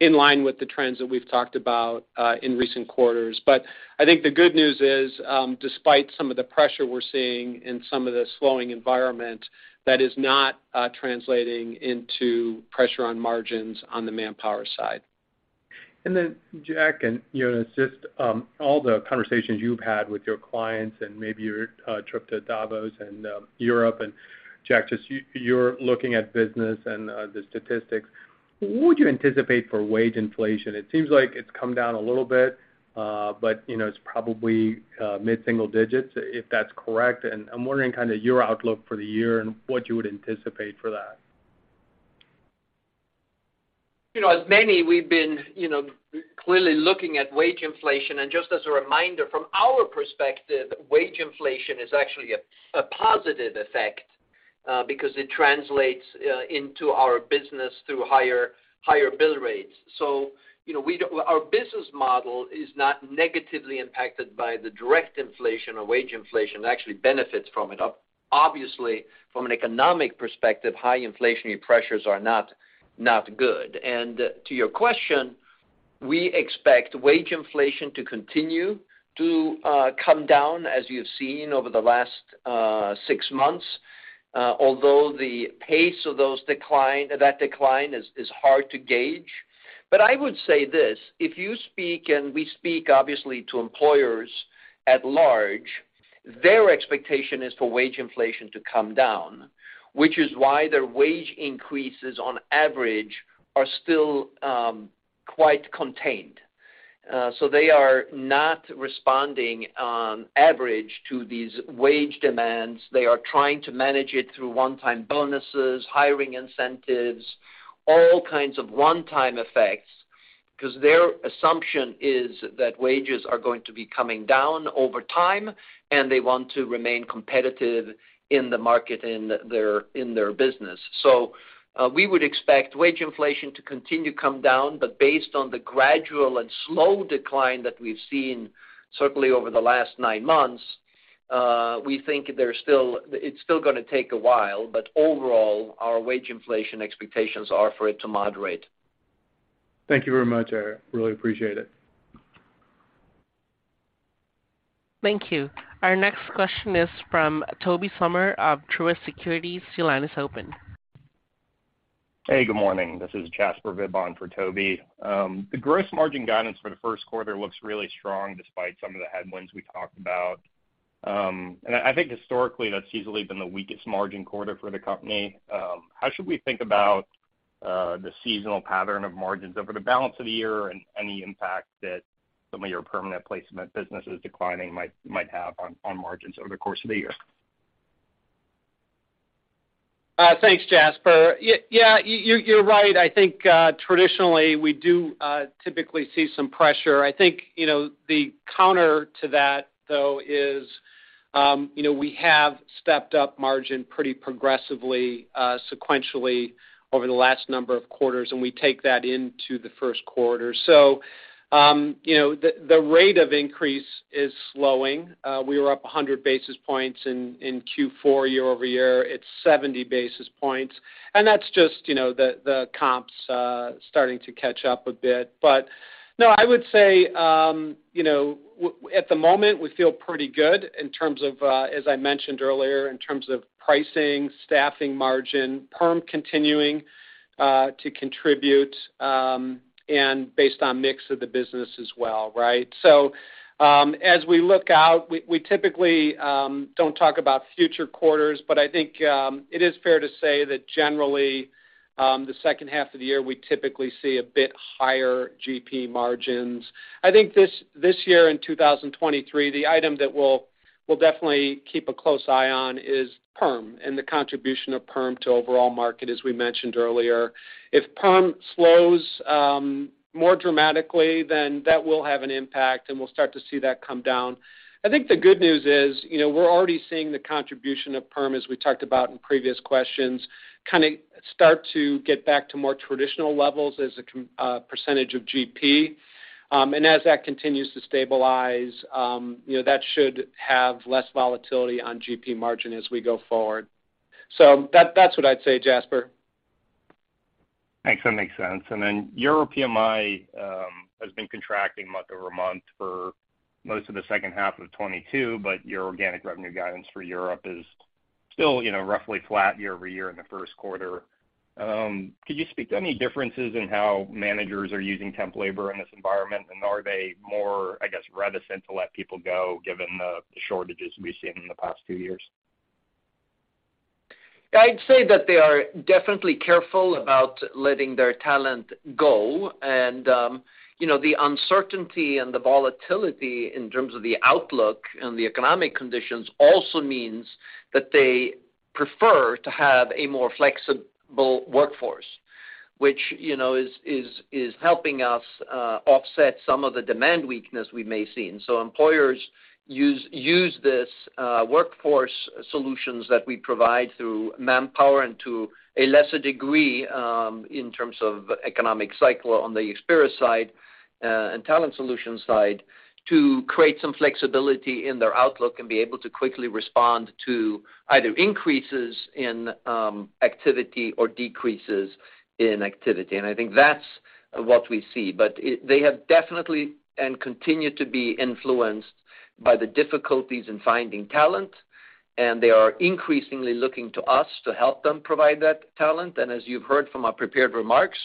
in line with the trends that we've talked about, in recent quarters. I think the good news is, despite some of the pressure we're seeing in some of the slowing environment, that is not translating into pressure on margins on the Manpower side. Jack, and, you know, just all the conversations you've had with your clients and maybe your trip to Davos and Europe. Jack, just you're looking at business and the statistics, what would you anticipate for wage inflation? It seems like it's come down a little bit, but, you know, it's probably mid-single digits, if that's correct. I'm wondering kind of your outlook for the year and what you would anticipate for that. You know, as many, we've been, you know, clearly looking at wage inflation. Just as a reminder, from our perspective, wage inflation is actually a positive effect because it translates into our business through higher bill rates. You know, our business model is not negatively impacted by the direct inflation or wage inflation, actually benefits from it. Obviously, from an economic perspective, high inflationary pressures are not good. To your question, we expect wage inflation to continue to come down as you've seen over the last 6 months. Although the pace of that decline is hard to gauge. I would say this, if you speak, and we speak obviously to employers at large, their expectation is for wage inflation to come down, which is why their wage increases on average are still quite contained. They are not responding on average to these wage demands. They are trying to manage it through one-time bonuses, hiring incentives, all kinds of one-time effects, because their assumption is that wages are going to be coming down over time, and they want to remain competitive in the market in their business. We would expect wage inflation to continue to come down. Based on the gradual and slow decline that we've seen certainly over the last nine months, we think it's still going to take a while. Overall, our wage inflation expectations are for it to moderate. Thank you very much. I really appreciate it. Thank you. Our next question is from Tobey Sommer of Truist Securities. Your line is open. Hey, good morning. This is Jasper Bibb for Tobey Sommer. The gross margin guidance for the first quarter looks really strong despite some of the headwinds we talked about. I think historically, that's easily been the weakest margin quarter for the company. How should we think about the seasonal pattern of margins over the balance of the year and any impact that some of your permanent placement businesses declining might have on margins over the course of the year? Thanks, Jasper. Yeah, you're right. I think, traditionally, we do, typically see some pressure. I think, you know, the counter to that, though, is, you know, we have stepped up margin pretty progressively, sequentially over the last number of quarters, and we take that into the first quarter. The rate of increase is slowing. We were up 100 basis points in Q4 year-over-year. It's 70 basis points. That's just, you know, the comps starting to catch up a bit. No, I would say, you know, at the moment, we feel pretty good in terms of, as I mentioned earlier, in terms of pricing, staffing margin, perm continuing to contribute, and based on mix of the business as well, right? As we look out, we typically don't talk about future quarters, but I think it is fair to say that generally, the second half of the year, we typically see a bit higher GP margins. I think this year in 2023, the item that we'll definitely keep a close eye on is perm and the contribution of perm to overall market, as we mentioned earlier. If perm slows more dramatically, then that will have an impact, and we'll start to see that come down. I think the good news is, you know, we're already seeing the contribution of perm, as we talked about in previous questions, kinda start to get back to more traditional levels as a percentage of GP. As that continues to stabilize, you know, that should have less volatility on GP margin as we go forward. That's what I'd say, Jasper. Thanks. That makes sense. Your PMI has been contracting month-over-month for most of the second half of 2022, but your organic revenue guidance for Europe is still, you know, roughly flat year-over-year in the first quarter. Could you speak to any differences in how managers are using temp labor in this environment? Are they more, I guess, reticent to let people go given the shortages we've seen in the past two years? I'd say that they are definitely careful about letting their talent go. You know, the uncertainty and the volatility in terms of the outlook and the economic conditions also means that they prefer to have a more flexible workforce, which, you know, is helping us offset some of the demand weakness we may see. Employers use this workforce solutions that we provide through Manpower and to a lesser degree, in terms of economic cycle on the Experis side, and Talent Solutions side, to create some flexibility in their outlook and be able to quickly respond to either increases in activity or decreases in activity. I think that's what we see. They have definitely and continue to be influenced by the difficulties in finding talent, and they are increasingly looking to us to help them provide that talent. As you've heard from our prepared remarks,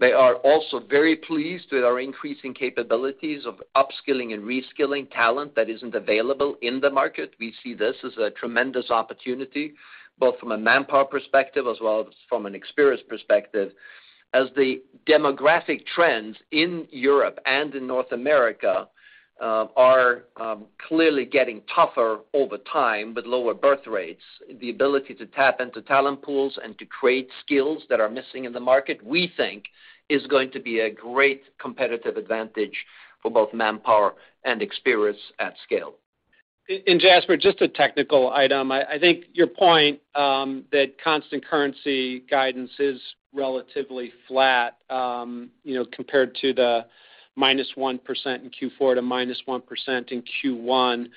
they are also very pleased with our increasing capabilities of upskilling and reskilling talent that isn't available in the market. We see this as a tremendous opportunity, both from a Manpower perspective as well as from an Experis perspective, as the demographic trends in Europe and in North America are clearly getting tougher over time with lower birth rates. The ability to tap into talent pools and to create skills that are missing in the market, we think is going to be a great competitive advantage for both Manpower and Experis at scale. Jasper, just a technical item. I think your point, you know, that constant currency guidance is relatively flat compared to the -1% in Q4 to -1% in Q1,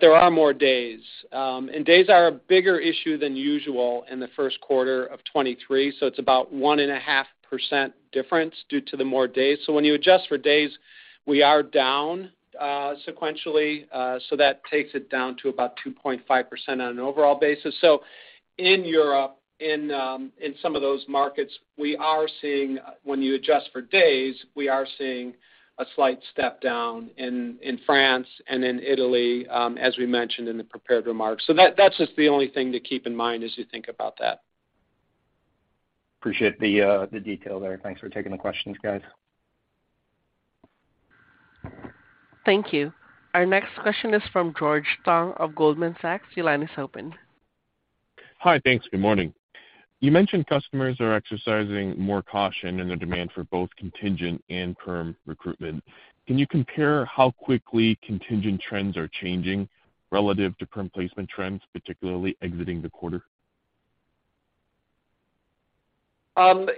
there are more days. Days are a bigger issue than usual in the first quarter of 2023, it's about 1.5% difference due to the more days. When you adjust for days, we are down sequentially, that takes it down to about 2.5% on an overall basis. In Europe, in some of those markets, when you adjust for days, we are seeing a slight step down in France and in Italy, as we mentioned in the prepared remarks. That's just the only thing to keep in mind as you think about that. Appreciate the detail there. Thanks for taking the questions, guys. Thank you. Our next question is from George Tong of Goldman Sachs. Your line is open. Hi. Thanks. Good morning. You mentioned customers are exercising more caution in their demand for both contingent and perm recruitment. Can you compare how quickly contingent trends are changing relative to perm placement trends, particularly exiting the quarter?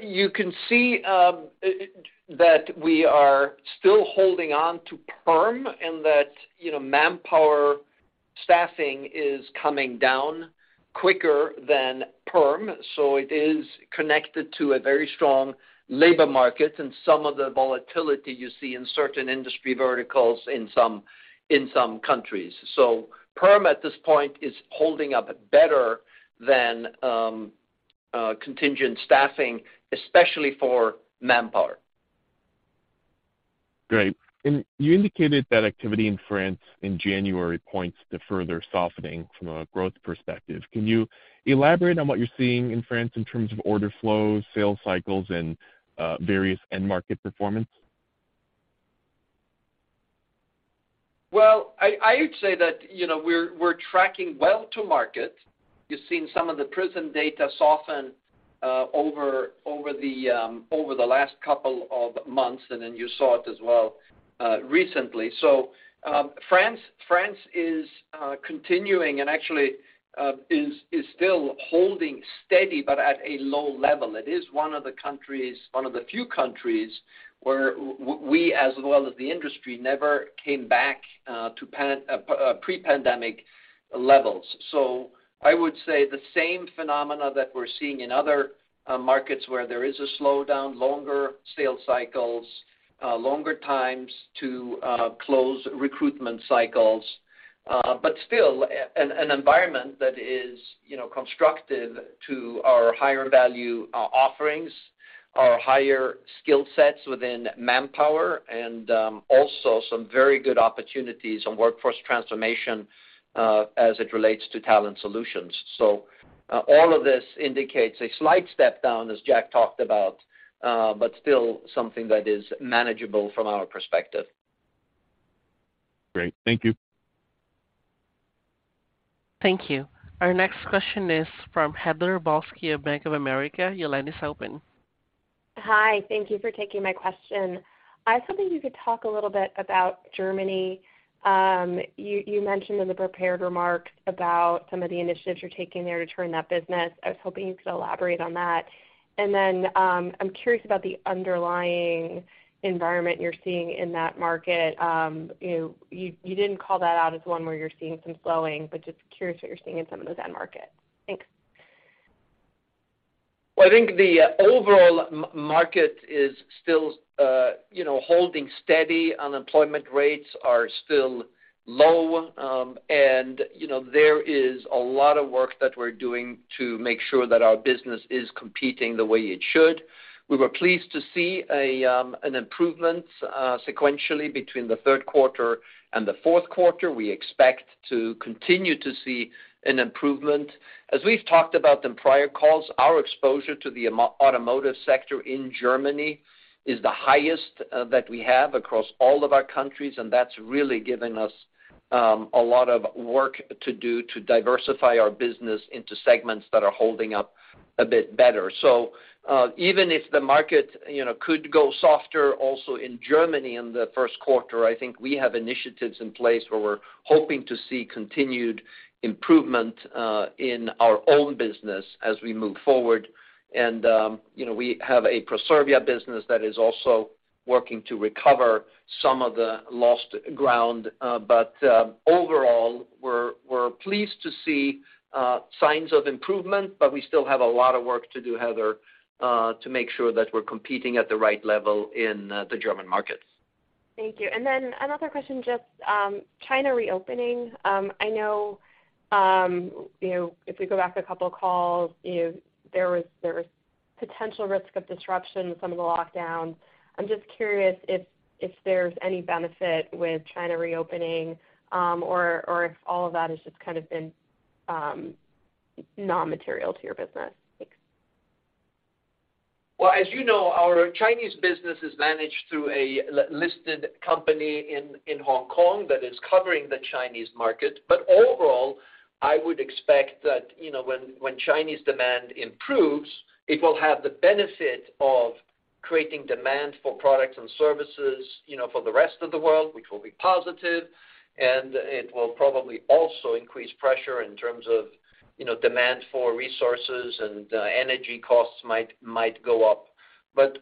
You can see, that we are still holding on to perm and that, you know, Manpower staffing is coming down quicker than perm, so it is connected to a very strong labor market and some of the volatility you see in certain industry verticals in some, in some countries. Perm, at this point, is holding up better than contingent staffing, especially for Manpower. Great. You indicated that activity in France in January points to further softening from a growth perspective. Can you elaborate on what you're seeing in France in terms of order flows, sales cycles, and various end market performance? Well, I would say that, you know, we're tracking well to market. You've seen some of the pricing data soften over the last couple of months, and then you saw it as well recently. France is continuing and actually is still holding steady but at a low level. It is one of the countries, one of the few countries where we, as well as the industry, never came back to pre-pandemic levels. I would say the same phenomena that we're seeing in other markets where there is a slowdown, longer sales cycles, longer times to close recruitment cycles. Still an environment that is, you know, constructive to our higher value offerings, our higher skill sets within Manpower, and also some very good opportunities on workforce transformation, as it relates to Talent Solutions. All of this indicates a slight step down, as Jack talked about, but still something that is manageable from our perspective. Great. Thank you. Thank you. Our next question is from Heather Balsky of Bank of America. Your line is open. Hi. Thank you for taking my question. I was hoping you could talk a little bit about Germany. You mentioned in the prepared remarks about some of the initiatives you're taking there to turn that business. I was hoping you could elaborate on that. Then, I'm curious about the underlying environment you're seeing in that market. You didn't call that out as one where you're seeing some slowing, but just curious what you're seeing in some of those end markets. Thanks. Well, I think the overall market is still, you know, holding steady. Unemployment rates are still low. You know, there is a lot of work that we're doing to make sure that our business is competing the way it should. We were pleased to see an improvement sequentially between the third quarter and the fourth quarter. We expect to continue to see an improvement. As we've talked about in prior calls, our exposure to the automotive sector in Germany is the highest that we have across all of our countries, that's really given us a lot of work to do to diversify our business into segments that are holding up a bit better. Even if the market, you know, could go softer also in Germany in the first quarter, I think we have initiatives in place where we're hoping to see continued improvement in our own business as we move forward. We have a Proservia business that is also working to recover some of the lost ground. Overall, we're pleased to see signs of improvement, but we still have a lot of work to do, Heather, to make sure that we're competing at the right level in the German markets. Thank you. Another question, just, China reopening. I know, you know, if we go back a couple calls, you know, there was potential risk of disruption with some of the lockdowns. I'm just curious if there's any benefit with China reopening, or if all of that has just kind of been non-material to your business? Thanks. Well, as you know, our Chinese business is managed through a listed company in Hong Kong that is covering the Chinese market. Overall, I would expect that, you know, when Chinese demand improves, it will have the benefit of creating demand for products and services, you know, for the rest of the world, which will be positive, and it will probably also increase pressure in terms of, you know, demand for resources and energy costs might go up.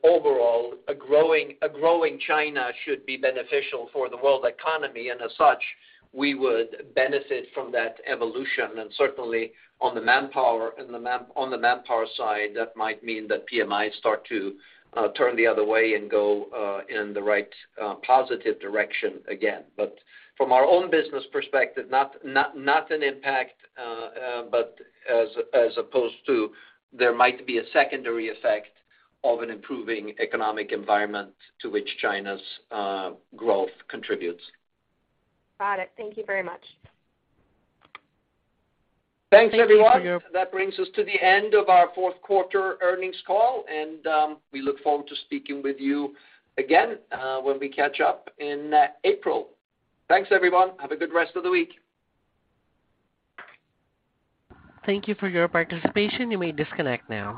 Overall, a growing China should be beneficial for the world economy, and as such, we would benefit from that evolution. Certainly on the Manpower side, that might mean that PMIs start to turn the other way and go in the right positive direction again. From our own business perspective, not an impact, but as opposed to there might be a secondary effect of an improving economic environment to which China's growth contributes. Got it. Thank you very much. Thanks, everyone. Thank you. That brings us to the end of our fourth quarter earnings call, and, we look forward to speaking with you again, when we catch up in April. Thanks, everyone. Have a good rest of the week. Thank you for your participation. You may disconnect now.